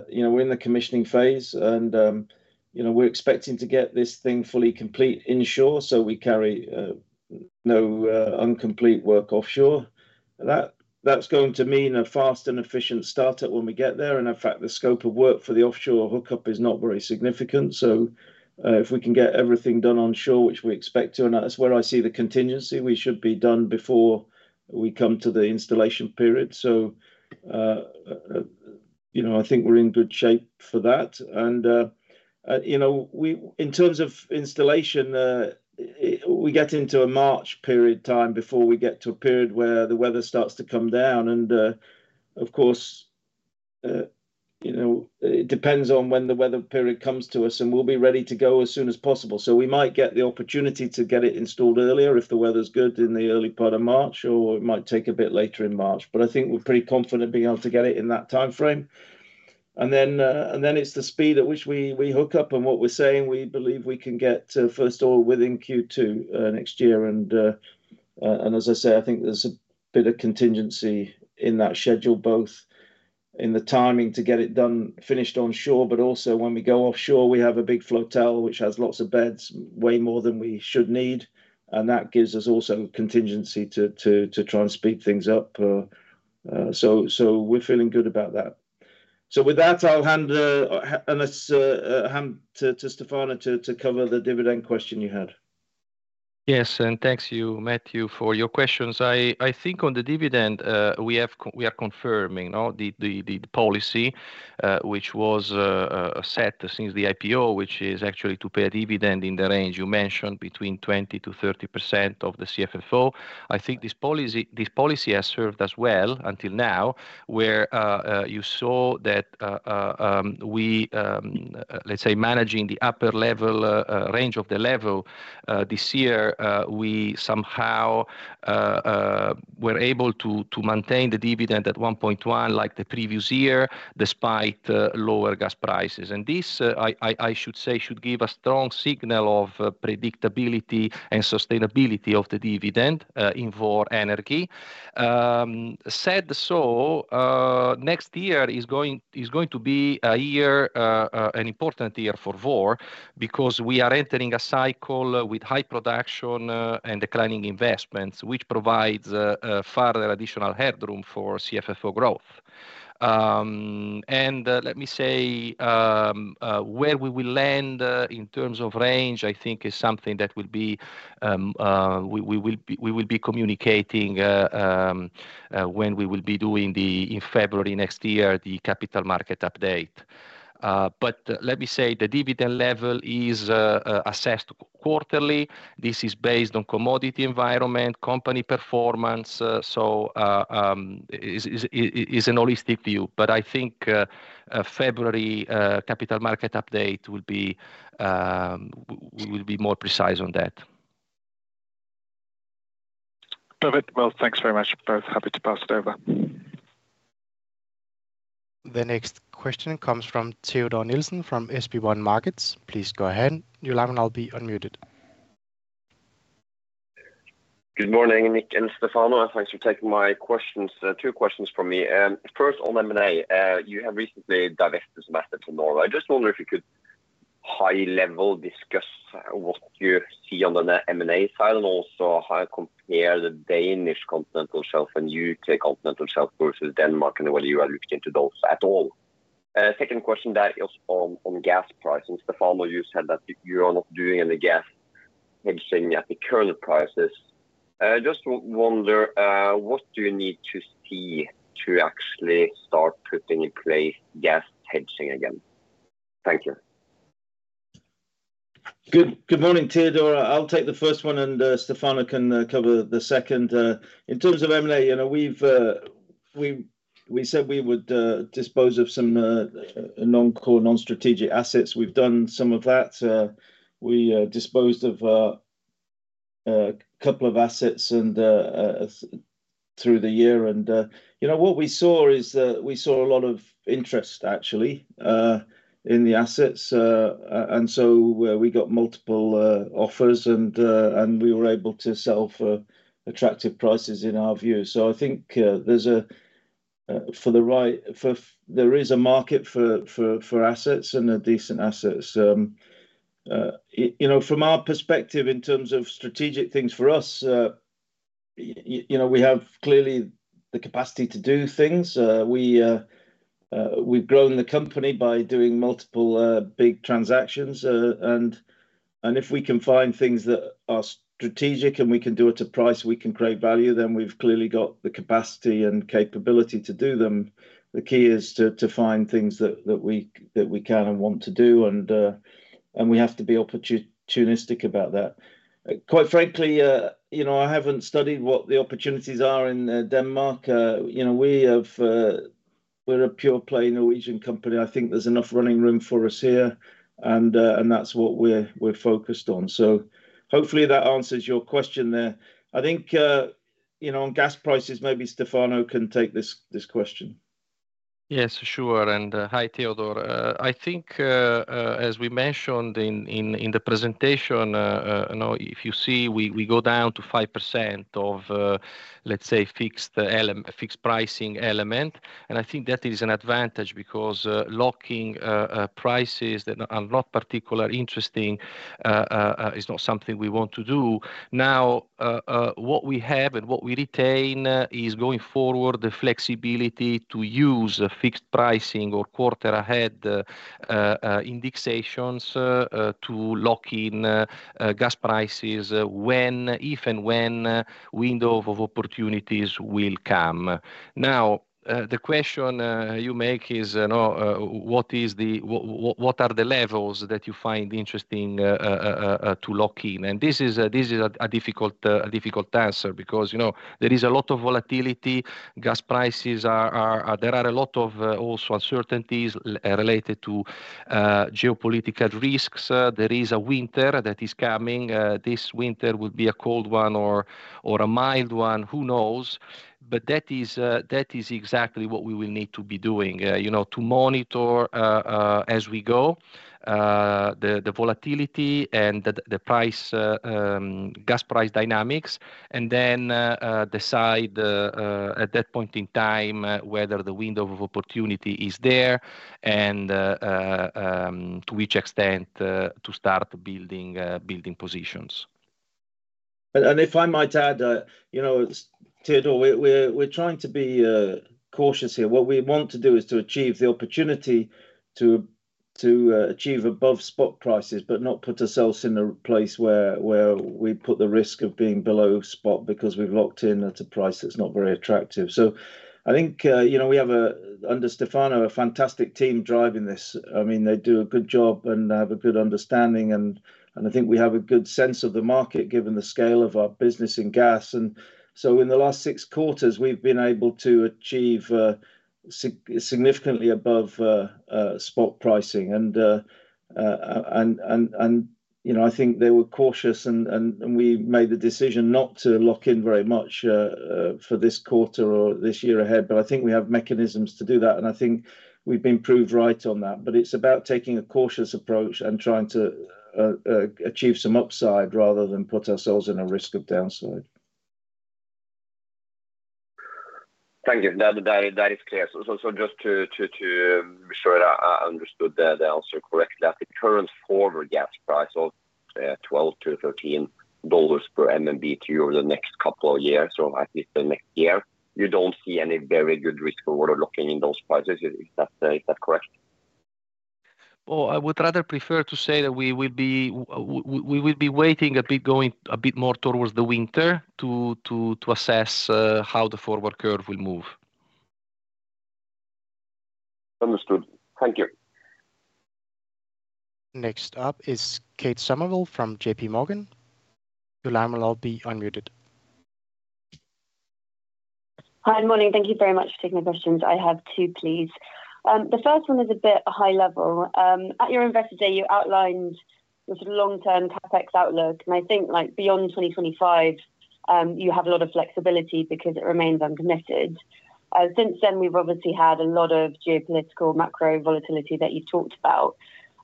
in the commissioning phase, and we're expecting to get this thing fully complete onshore so we carry no incomplete work offshore. That's going to mean a fast and efficient startup when we get there. In fact, the scope of work for the offshore hookup is not very significant. If we can get everything done onshore, which we expect to, and that's where I see the contingency, we should be done before we come to the installation period. I think we're in good shape for that. And in terms of installation, we get into a March period of time before we get to a period where the weather starts to come down. And of course, it depends on when the weather period comes to us, and we'll be ready to go as soon as possible. So we might get the opportunity to get it installed earlier if the weather's good in the early part of March, or it might take a bit later in March. But I think we're pretty confident being able to get it in that timeframe. And then it's the speed at which we hook up and what we're saying we believe we can get, first of all, within Q2 next year. And as I say, I think there's a bit of contingency in that schedule, both in the timing to get it done, finished onshore, but also when we go offshore, we have a big flotilla which has lots of beds, way more than we should need. And that gives us also contingency to try and speed things up. So we're feeling good about that. So with that, I'll hand to Stefano to cover the dividend question you had. Yes. And thanks to you, Matthew, for your questions. I think on the dividend, we are confirming the policy, which was set since the IPO, which is actually to pay a dividend in the range you mentioned between 20%-30% of the CFFO. I think this policy has served us well until now, where you saw that we, let's say, managing the upper level range of the level this year, we somehow were able to maintain the dividend at 1.1 like the previous year despite lower gas prices. And this, I should say, should give a strong signal of predictability and sustainability of the dividend in Vår Energi. That said, next year is going to be an important year for Vår Energi because we are entering a cycle with high production and declining investments, which provides further additional headroom for CFFO growth. And let me say where we will land in terms of range, I think, is something that we will be communicating when we will be doing, in February next year, the capital market update. But let me say the dividend level is assessed quarterly. This is based on commodity environment, company performance. So it's a holistic view. But I think February capital market update will be more precise on that. Perfect. Well, thanks very much, both. Happy to pass it over. The next question comes from Teodor Sveen-Nilsen from SB1 Markets. Please go ahead. Your line will be unmuted. Good morning, Nick and Stefano. Thanks for taking my questions. Two questions for me. First, on M&A, you have recently divested some assets in Norway. I just wonder if you could high-level discuss what you see on the M&A side and also how compare the Danish Continental Shelf and UK Continental Shelf versus Denmark and whether you are looking into those at all. Second question there is on gas pricing. Stefano, you said that you are not doing any gas hedging at the current prices. Just wonder, what do you need to see to actually start putting in place gas hedging again? Thank you. Good morning, Teodor. I'll take the first one, and Stefano can cover the second. In terms of M&A, we said we would dispose of some non-core, non-strategic assets. We've done some of that. We disposed of a couple of assets through the year. And what we saw is that we saw a lot of interest, actually, in the assets. And so we got multiple offers, and we were able to sell for attractive prices in our view. So I think there is a market for assets and decent assets. From our perspective, in terms of strategic things for us, we have clearly the capacity to do things. We've grown the company by doing multiple big transactions. And if we can find things that are strategic and we can do it at a price we can create value, then we've clearly got the capacity and capability to do them. The key is to find things that we can and want to do, and we have to be opportunistic about that. Quite frankly, I haven't studied what the opportunities are in Denmark. We're a pure-play Norwegian company. I think there's enough running room for us here, and that's what we're focused on. So hopefully that answers your question there. I think on gas prices, maybe Stefano can take this question. Yes, for sure. And hi, Teodor. I think, as we mentioned in the presentation, if you see, we go down to 5% of, let's say, fixed pricing element. I think that is an advantage because locking prices that are not particularly interesting is not something we want to do. Now, what we have and what we retain is, going forward, the flexibility to use fixed pricing or quarter-ahead indexations to lock in gas prices when, if and when a window of opportunities will come. Now, the question you make is, what are the levels that you find interesting to lock in? And this is a difficult answer because there is a lot of volatility. Gas prices, there are a lot of also uncertainties related to geopolitical risks. There is a winter that is coming. This winter will be a cold one or a mild one. Who knows? But that is exactly what we will need to be doing to monitor as we go the volatility and the gas price dynamics, and then decide at that point in time whether the window of opportunity is there and to which extent to start building positions. And if I might add, Teodor, we're trying to be cautious here. What we want to do is to achieve the opportunity to achieve above spot prices, but not put ourselves in a place where we put the risk of being below spot because we've locked in at a price that's not very attractive. So I think we have, under Stefano, a fantastic team driving this. I mean, they do a good job and have a good understanding. And I think we have a good sense of the market given the scale of our business in gas. And so in the last six quarters, we've been able to achieve significantly above spot pricing. And I think we were cautious, and we made the decision not to lock in very much for this quarter or this year ahead. But I think we have mechanisms to do that. And I think we've been proved right on that. But it's about taking a cautious approach and trying to achieve some upside rather than put ourselves in a risk of downside. Thank you. That is clear. So just to be sure I understood the answer correctly, at the current forward gas price of $12-$13 per MMBtu over the next couple of years, or at least the next year, you don't see any very good reason for locking in those prices. Is that correct? I would rather prefer to say that we will be waiting a bit more towards the winter to assess how the forward curve will move. Understood. Thank you. Next up is Kate Somerville from JPMorgan. Your line will be unmuted. Hi, good morning. Thank you very much for taking my questions. I have two, please. The first one is a bit high-level. At your investor day, you outlined the sort of long-term CapEx outlook, and I think beyond 2025, you have a lot of flexibility because it remains uncommitted. Since then, we've obviously had a lot of geopolitical macro volatility that you've talked about.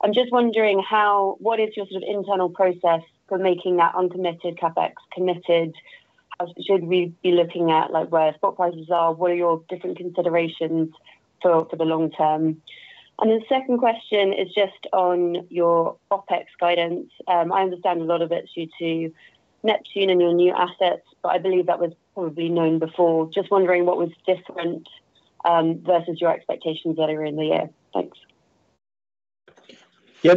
I'm just wondering, what is your sort of internal process for making that uncommitted CapEx committed? Should we be looking at where spot prices are? What are your different considerations for the long term? And the second question is just on your OpEx guidance. I understand a lot of it's due to Neptune and your new assets, but I believe that was probably known before. Just wondering what was different versus your expectations earlier in the year. Thanks. Yeah,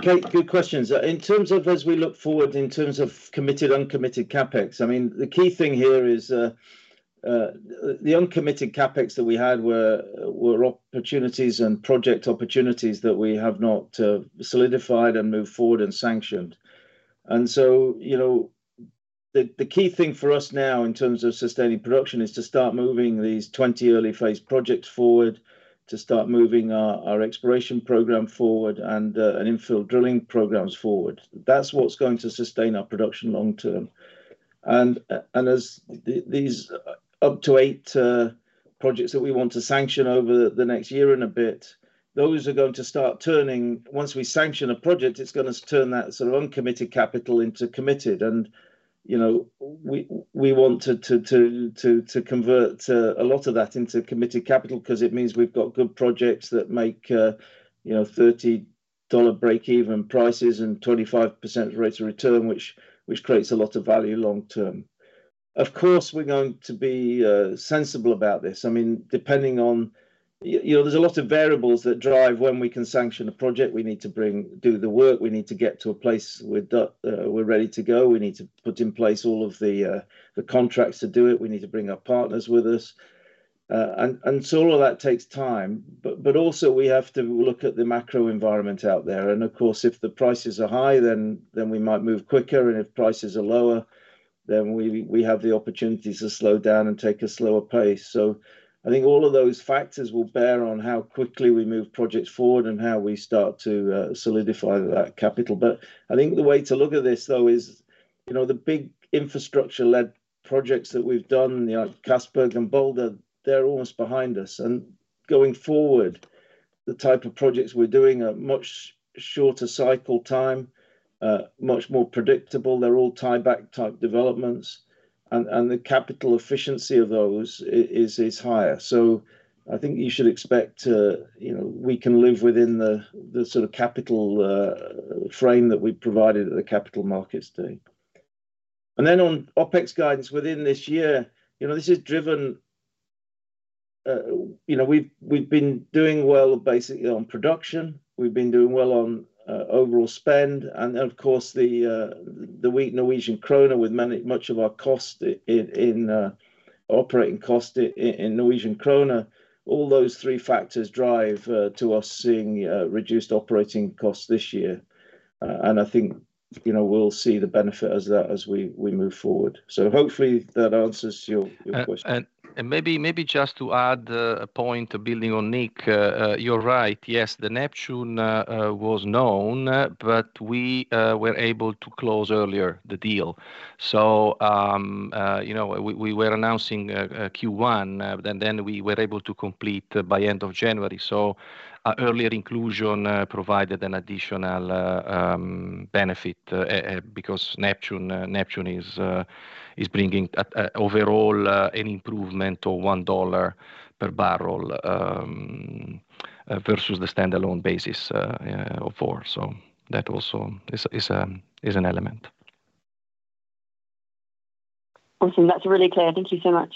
good questions. As we look forward in terms of committed, uncommitted CapEx, I mean, the key thing here is the uncommitted CapEx that we had were opportunities and project opportunities that we have not solidified and moved forward and sanctioned. And so the key thing for us now in terms of sustaining production is to start moving these 20 early-phase projects forward, to start moving our exploration program forward and infill drilling programs forward. That's what's going to sustain our production long term. And these up to eight projects that we want to sanction over the next year and a bit, those are going to start turning once we sanction a project. It's going to turn that sort of uncommitted capital into committed. And we want to convert a lot of that into committed capital because it means we've got good projects that make $30 break-even prices and 25% rate of return, which creates a lot of value long term. Of course, we're going to be sensible about this. I mean, depending on, there's a lot of variables that drive when we can sanction a project. We need to do the work. We need to get to a place where we're ready to go. We need to put in place all of the contracts to do it. We need to bring our partners with us. And so all of that takes time. But also, we have to look at the macro environment out there. And of course, if the prices are high, then we might move quicker. And if prices are lower, then we have the opportunities to slow down and take a slower pace. So I think all of those factors will bear on how quickly we move projects forward and how we start to solidify that capital. But I think the way to look at this, though, is the big infrastructure-led projects that we've done, like Jotun and Balder, they're almost behind us. And going forward, the type of projects we're doing are much shorter cycle time, much more predictable. They're all tieback-type developments. And the capital efficiency of those is higher. So I think you should expect we can live within the sort of capital frame that we've provided at the Capital Markets Day. And then on OpEx guidance within this year, this is driven. We've been doing well basically on production. We've been doing well on overall spend. And of course, the weak Norwegian krone with much of our operating cost in Norwegian krone, all those three factors drive to us seeing reduced operating costs this year. And I think we'll see the benefit as we move forward. So hopefully, that answers your question. And maybe just to add a point building on Nick, you're right. Yes, the Neptune was known, but we were able to close earlier the deal. So we were announcing Q1, and then we were able to complete by end of January. So earlier inclusion provided an additional benefit because Neptune is bringing overall an improvement of $1 per barrel versus the standalone basis of four. So that also is an element. Awesome. That's really clear. Thank you so much.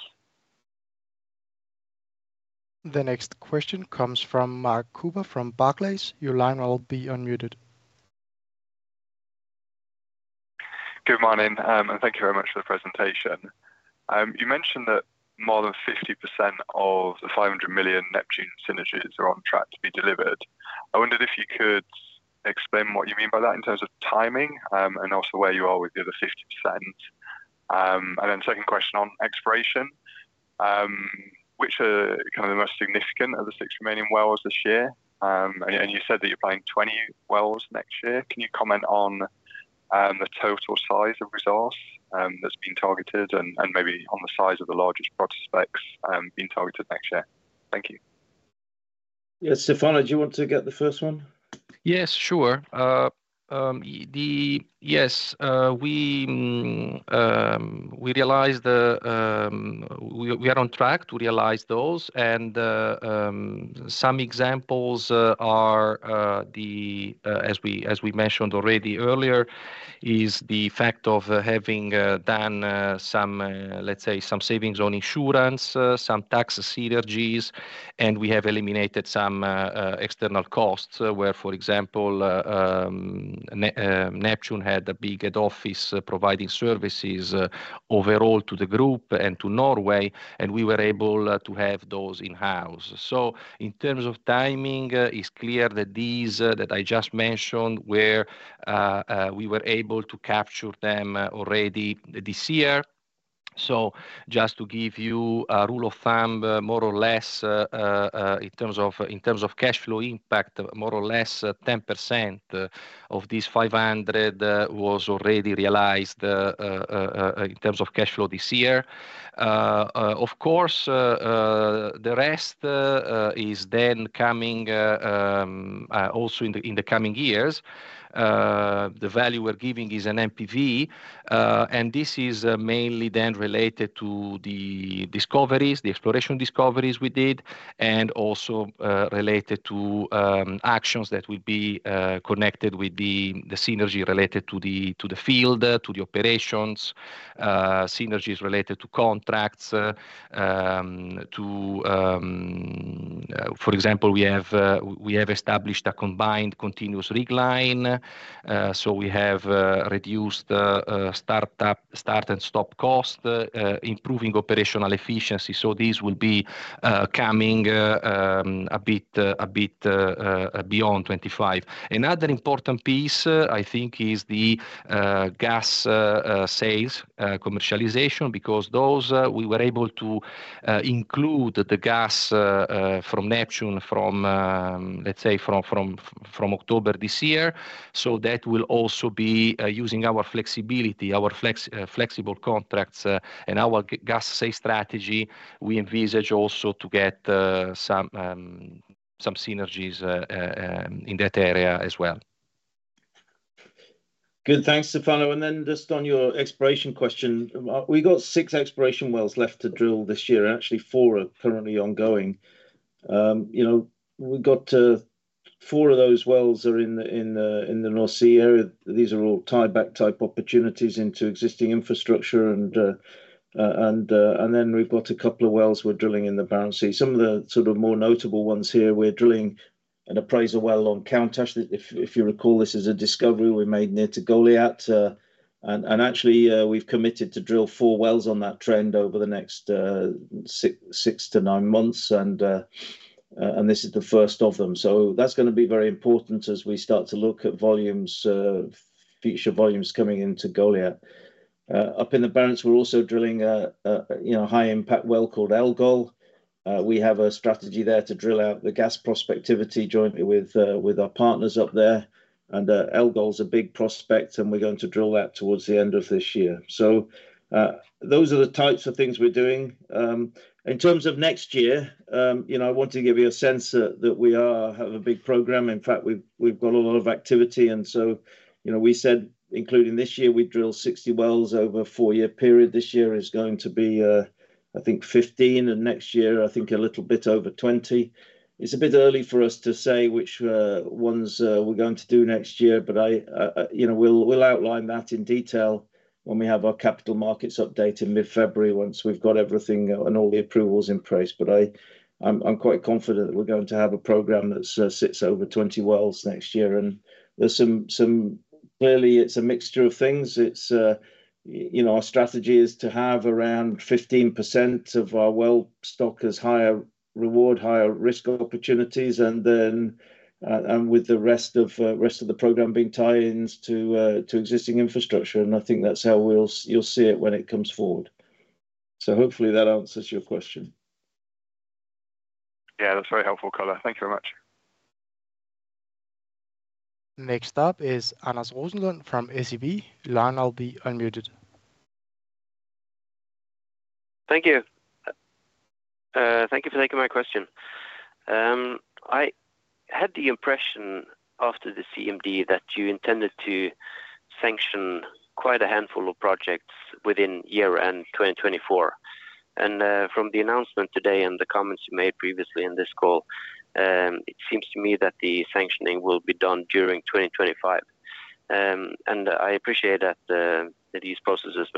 The next question comes from Mark Cuba from Barclays. Your line will be unmuted. Good morning, and thank you very much for the presentation. You mentioned that more than 50% of the $500 million Neptune synergies are on track to be delivered. I wondered if you could explain what you mean by that in terms of timing and also where you are with the other 50%. And then second question on exploration, which are kind of the most significant of the six remaining wells this year? And you said that you're planning 20 wells next year. Can you comment on the total size of resource that's been targeted and maybe on the size of the largest prospects being targeted next year? Thank you. Yeah, Stefano, do you want to get the first one? Yes, sure. Yes, we realize that we are on track to realize those. Some examples are, as we mentioned already earlier, is the fact of having done, let's say, some savings on insurance, some tax synergies, and we have eliminated some external costs where, for example, Neptune had a big head office providing services overall to the group and to Norway, and we were able to have those in-house. So in terms of timing, it's clear that these that I just mentioned we were able to capture them already this year. So just to give you a rule of thumb, more or less, in terms of cash flow impact, more or less 10% of these 500 was already realized in terms of cash flow this year. Of course, the rest is then coming also in the coming years. The value we're giving is an NPV. This is mainly then related to the discoveries, the exploration discoveries we did, and also related to actions that will be connected with the synergy related to the field, to the operations, synergies related to contracts. For example, we have established a combined continuous rig line. So we have reduced start and stop cost, improving operational efficiency. So these will be coming a bit beyond 25. Another important piece, I think, is the gas sales commercialization because those we were able to include the gas from Neptune, let's say, from October this year. So that will also be using our flexibility, our flexible contracts, and our gas sales strategy. We envisage also to get some synergies in that area as well. Good. Thanks, Stefano. Then just on your exploration question, we got six exploration wells left to drill this year, actually four are currently ongoing. We've got four of those wells are in the North Sea area. These are all tieback-type opportunities into existing infrastructure. And then we've got a couple of wells we're drilling in the Barents Sea. Some of the sort of more notable ones here, we're drilling an appraisal well on Countach. If you recall, this is a discovery we made near Goliat. And actually, we've committed to drill four wells on that trend over the next six to nine months. And this is the first of them. So that's going to be very important as we start to look at future volumes coming into Goliat. Up in the Barents, we're also drilling a high-impact well called Elgol. We have a strategy there to drill out the gas prospectivity jointly with our partners up there. Elgol is a big prospect, and we're going to drill that towards the end of this year. So those are the types of things we're doing. In terms of next year, I want to give you a sense that we have a big program. In fact, we've got a lot of activity. And so we said, including this year, we drill 60 wells over a four-year period. This year is going to be, I think, 15, and next year, I think, a little bit over 20. It's a bit early for us to say which ones we're going to do next year, but we'll outline that in detail when we have our capital markets updated mid-February once we've got everything and all the approvals in place. But I'm quite confident that we're going to have a program that sits over 20 wells next year. Clearly, it's a mixture of things. Our strategy is to have around 15% of our well stock as higher reward, higher risk opportunities, and with the rest of the program being tied into existing infrastructure. I think that's how you'll see it when it comes forward. Hopefully, that answers your question. Yeah, that's very helpful, Carlo. Thank you very much. Next up is Anders Rosenlund from SEB. Your line will be unmuted. Thank you. Thank you for taking my question. I had the impression after the CMD that you intended to sanction quite a handful of projects within year-end 2024. From the announcement today and the comments you made previously in this call, it seems to me that the sanctioning will be done during 2025. I appreciate that these processes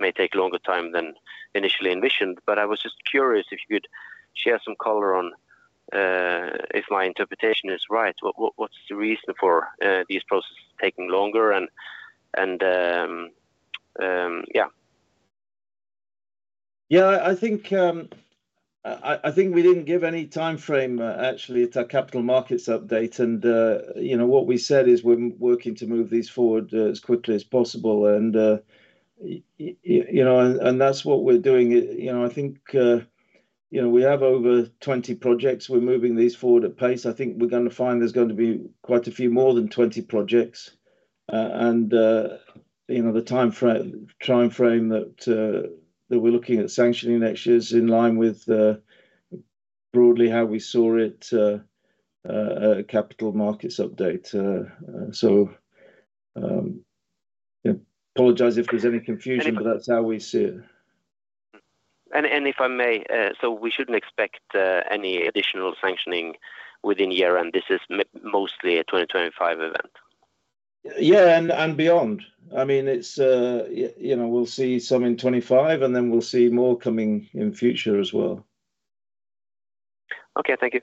may take longer time than initially envisioned. But I was just curious if you could share some color on if my interpretation is right. What's the reason for these processes taking longer? And yeah. Yeah, I think we didn't give any timeframe, actually, to capital markets update. And what we said is we're working to move these forward as quickly as possible. And that's what we're doing. I think we have over 20 projects. We're moving these forward at pace. I think we're going to find there's going to be quite a few more than 20 projects. And the timeframe that we're looking at sanctioning next year is in line with broadly how we saw it capital markets update. So apologize if there's any confusion, but that's how we see it. And if I may, so we shouldn't expect any additional sanctioning within year-end. This is mostly a 2025 event. Yeah, and beyond. I mean, we'll see some in 2025, and then we'll see more coming in future as well. Okay, thank you.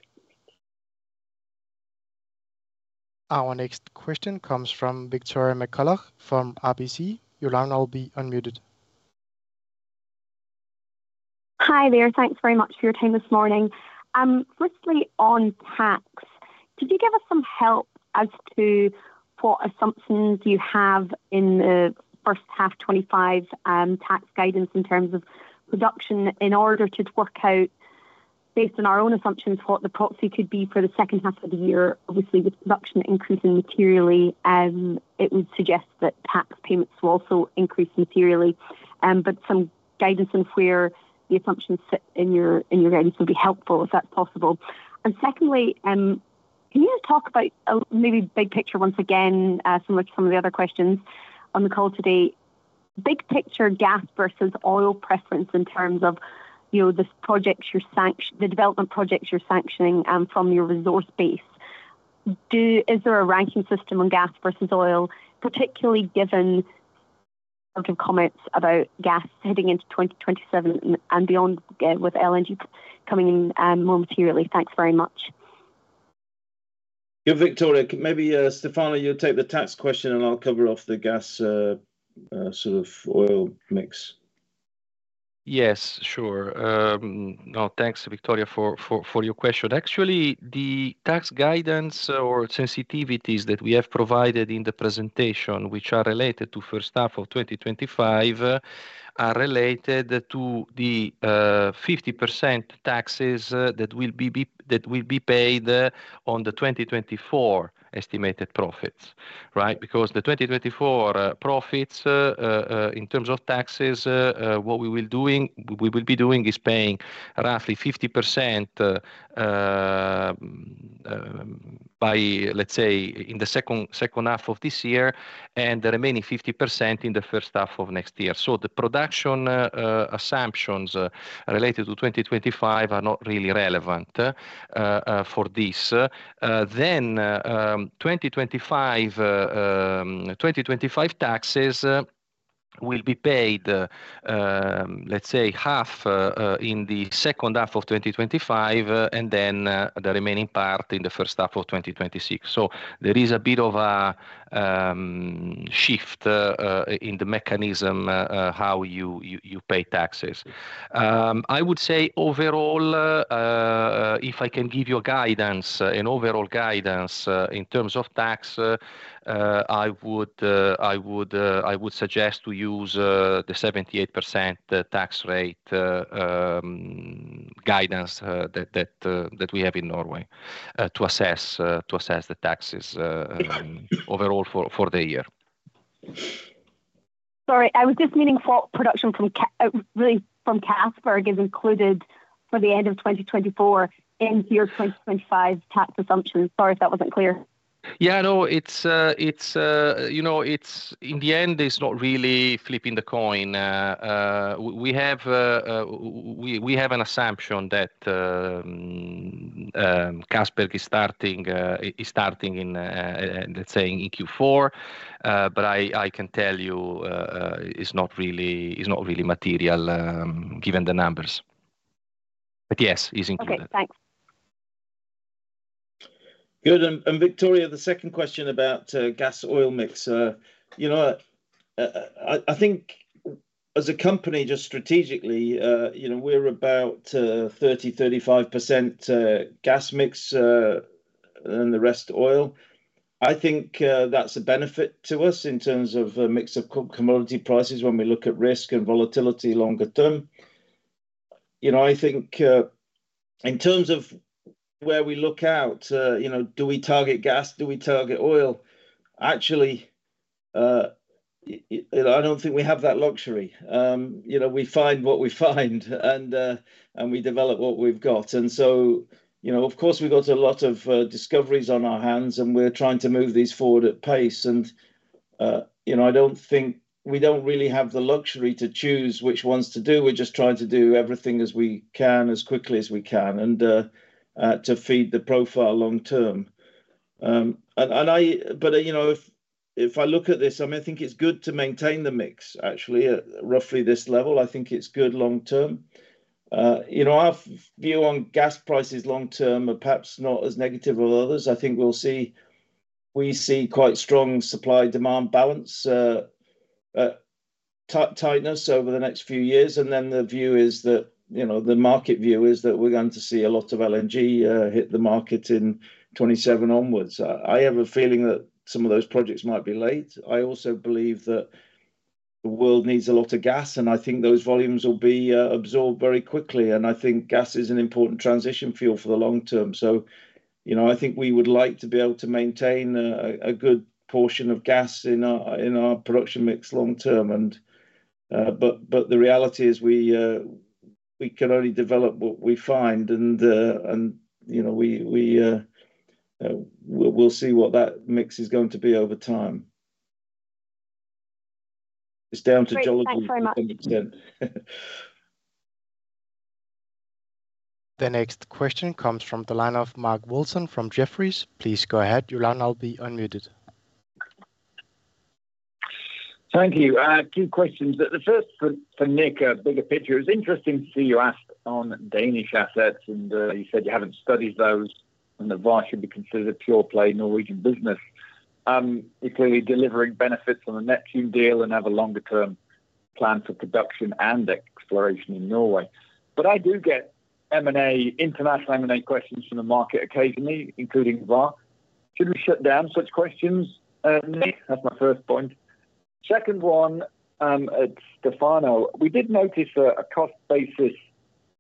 Our next question comes from Victoria McCullough from RBC. Your line will be unmuted. Hi there. Thanks very much for your time this morning. Firstly, on tax, could you give us some help as to what assumptions you have in the first half 2025 tax guidance in terms of production in order to work out, based on our own assumptions, what the proxy could be for the second half of the year? Obviously, with production increasing materially, it would suggest that tax payments will also increase materially. But some guidance on where the assumptions sit in your guidance would be helpful if that's possible. And secondly, can you talk about maybe big picture once again, similar to some of the other questions on the call today? Big picture gas versus oil preference in terms of the development projects you're sanctioning from your resource base. Is there a ranking system on gas versus oil, particularly given comments about gas heading into 2027 and beyond with LNG coming in more materially? Thanks very much. Victoria, maybe Stefano, you take the tax question, and I'll cover off the gas sort of oil mix. Yes, sure. No, thanks, Victoria, for your question. Actually, the tax guidance or sensitivities that we have provided in the presentation, which are related to first half of 2025, are related to the 50% taxes that will be paid on the 2024 estimated profits, right? Because the 2024 profits in terms of taxes, what we will be doing is paying roughly 50% by, let's say, in the second half of this year, and the remaining 50% in the first half of next year. The production assumptions related to 2025 are not really relevant for this. 2025 taxes will be paid, let's say, half in the second half of 2025, and then the remaining part in the first half of 2026. There is a bit of a shift in the mechanism how you pay taxes. I would say overall, if I can give you an overall guidance in terms of tax, I would suggest to use the 78% tax rate guidance that we have in Norway to assess the taxes overall for the year. Sorry, I was just meaning for production from Castberg, it is included for the end of 2024 in year 2025 tax assumptions. Sorry if that wasn't clear. Yeah, no, it's in the end, it's not really flipping the coin. We have an assumption that Castberg is starting in, let's say, in Q4, but I can tell you it's not really material given the numbers. But yes, it's included. Okay, thanks. Good. And Victoria, the second question about gas oil mix. I think as a company, just strategically, we're about 30%-35% gas mix and the rest oil. I think that's a benefit to us in terms of a mix of commodity prices when we look at risk and volatility longer term. I think in terms of where we look out, do we target gas? Do we target oil? Actually, I don't think we have that luxury. We find what we find, and we develop what we've got. And so, of course, we've got a lot of discoveries on our hands, and we're trying to move these forward at pace. And I don't think we don't really have the luxury to choose which ones to do. We're just trying to do everything as we can, as quickly as we can, and to feed the profile long term. But if I look at this, I mean, I think it's good to maintain the mix, actually, at roughly this level. I think it's good long term. Our view on gas prices long term are perhaps not as negative as others. I think we'll see quite strong supply-demand balance tightness over the next few years. And then the view is that the market view is that we're going to see a lot of LNG hit the market in 2027 onwards. I have a feeling that some of those projects might be late. I also believe that the world needs a lot of gas, and I think those volumes will be absorbed very quickly. I think gas is an important transition fuel for the long term. So I think we would like to be able to maintain a good portion of gas in our production mix long term. But the reality is we can only develop what we find, and we'll see what that mix is going to be over time. It's down to geology. Thank you very much. The next question comes from the line of Mark Wilson from Jefferies. Please go ahead. Your line will be unmuted. Thank you. Two questions. The first for Nick, a bigger picture. It was interesting to see you ask on Danish assets, and you said you haven't studied those, and the Vår should be considered a pure-play Norwegian business. You're clearly delivering benefits on the Neptune deal and have a longer-term plan for production and exploration in Norway. But I do get international M&A questions from the market occasionally, including Vår. Should we shut down such questions? Nick, that's my first point. Second one at Stefano, we did notice a cost basis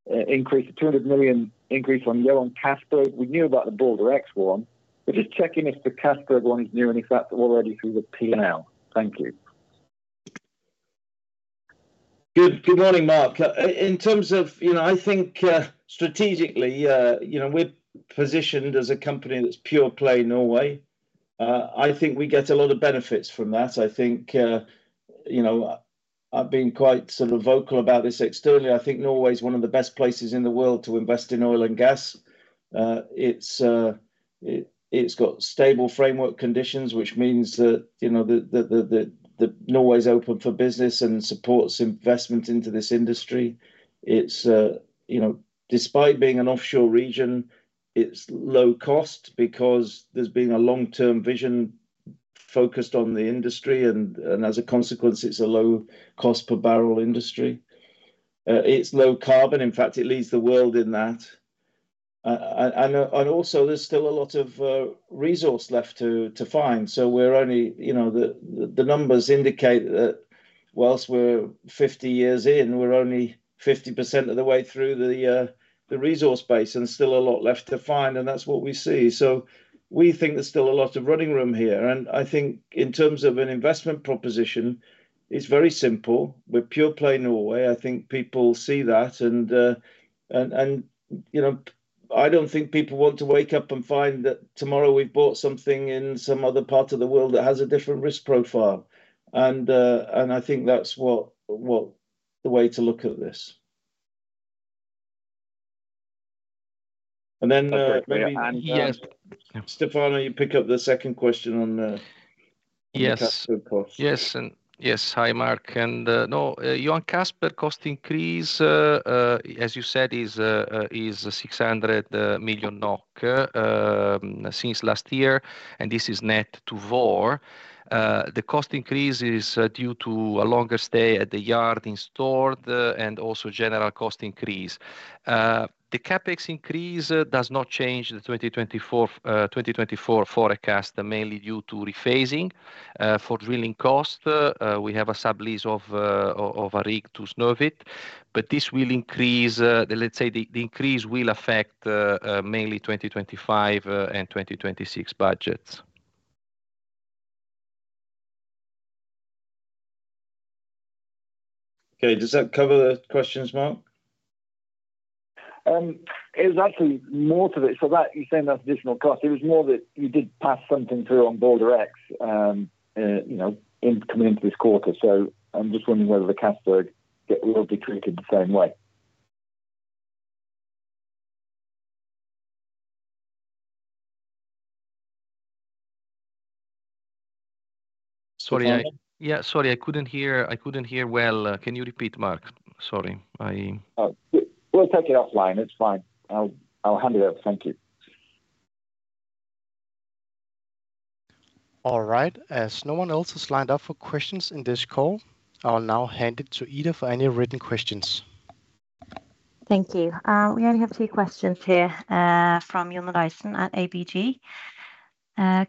increase, a 200 million increase on Johan Castberg. We knew about the Balder X one. We're just checking if the Castberg one is new and if that's already through the P&L. Thank you. Good morning, Mark. In terms of, I think strategically, we're positioned as a company that's pure-play Norway. I think we get a lot of benefits from that. I think I've been quite sort of vocal about this externally. I think Norway is one of the best places in the world to invest in oil and gas. It's got stable framework conditions, which means that Norway is open for business and supports investment into this industry. Despite being an offshore region, it's low cost because there's been a long-term vision focused on the industry, and as a consequence, it's a low-cost-per-barrel industry. It's low carbon. In fact, it leads the world in that, and also, there's still a lot of resource left to find, so the numbers indicate that while we're 50 years in, we're only 50% of the way through the resource base and still a lot left to find, and that's what we see, so we think there's still a lot of running room here, and I think in terms of an investment proposition, it's very simple. We're pure-play Norway. I think people see that, and I don't think people want to wake up and find that tomorrow we've bought something in some other part of the world that has a different risk profile. And I think that's the way to look at this. And then maybe Stefano, you pick up the second question on the. Yes. Yes. Hi, Mark. And no, the Jotun cost increase, as you said, is 600 million NOK since last year, and this is net to Vår. The cost increase is due to a longer stay at the yard in Stord and also general cost increase. The CapEx increase does not change the 2024 forecast, mainly due to rephasing for drilling cost. We have a sub-lease of a rig to Snøhvit. But this will increase the, let's say, the increase will affect mainly 2025 and 2026 budgets. Okay. Does that cover the questions, Mark? It was actually more to this. So you're saying that's additional cost. It was more that you did pass something through on Balder X coming into this quarter. So I'm just wondering whether the Jotun will be treated the same way. Sorry. Yeah, sorry. I couldn't hear well. Can you repeat, Mark? Sorry. We'll take it offline. It's fine. I'll hand it over. Thank you. All right. As no one else has lined up for questions in this call, I'll now hand it to Ida for any written questions. Thank you. We only have two questions here from Jonna Dyson at ABG.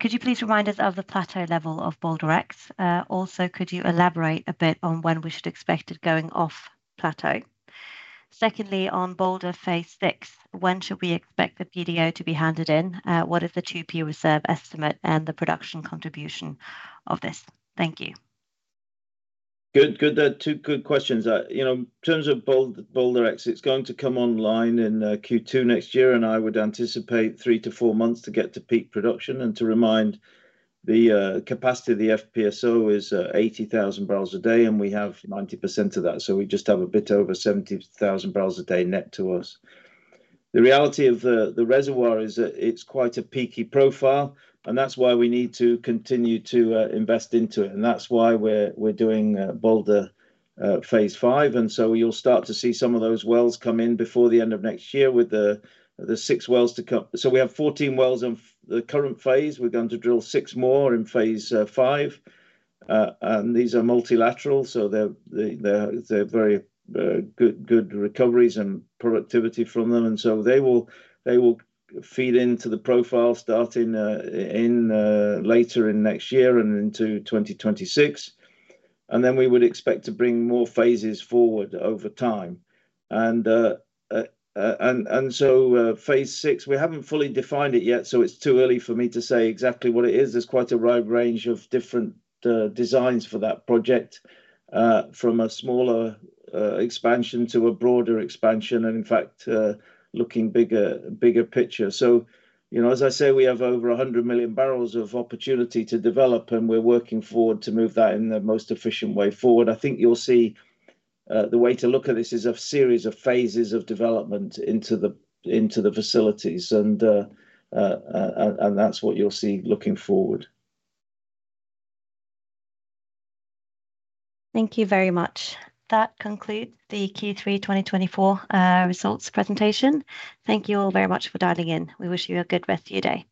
Could you please remind us of the plateau level of Balder X? Also, could you elaborate a bit on when we should expect it going off plateau? Secondly, on Balder Phase 6, when should we expect the PDO to be handed in? What is the 2P reserve estimate and the production contribution of this? Thank you. Good. Good. Two good questions. In terms of Balder X, it's going to come online in Q2 next year, and I would anticipate three to four months to get to peak production. And to remind, the capacity of the FPSO is 80,000 barrels a day, and we have 90% of that. So we just have a bit over 70,000 barrels a day net to us. The reality of the reservoir is that it's quite a peaky profile, and that's why we need to continue to invest into it. And that's why we're doing Balder Phase 5. And so you'll start to see some of those wells come in before the end of next year with the six wells to come. So we have 14 wells in the current phase. We're going to drill six more in Phase 5. And these are multilateral, so they're very good recoveries and productivity from them. And so they will feed into the profile starting later in next year and into 2026. And then we would expect to bring more phases forward over time. And so Phase 6, we haven't fully defined it yet, so it's too early for me to say exactly what it is. There's quite a wide range of different designs for that project, from a smaller expansion to a broader expansion, and in fact, looking bigger picture. So as I say, we have over 100 million barrels of opportunity to develop, and we're working forward to move that in the most efficient way forward. I think you'll see the way to look at this is a series of phases of development into the facilities, and that's what you'll see looking forward. Thank you very much. That concludes the Q3 2024 results presentation. Thank you all very much for dialing in. We wish you a good rest of your day.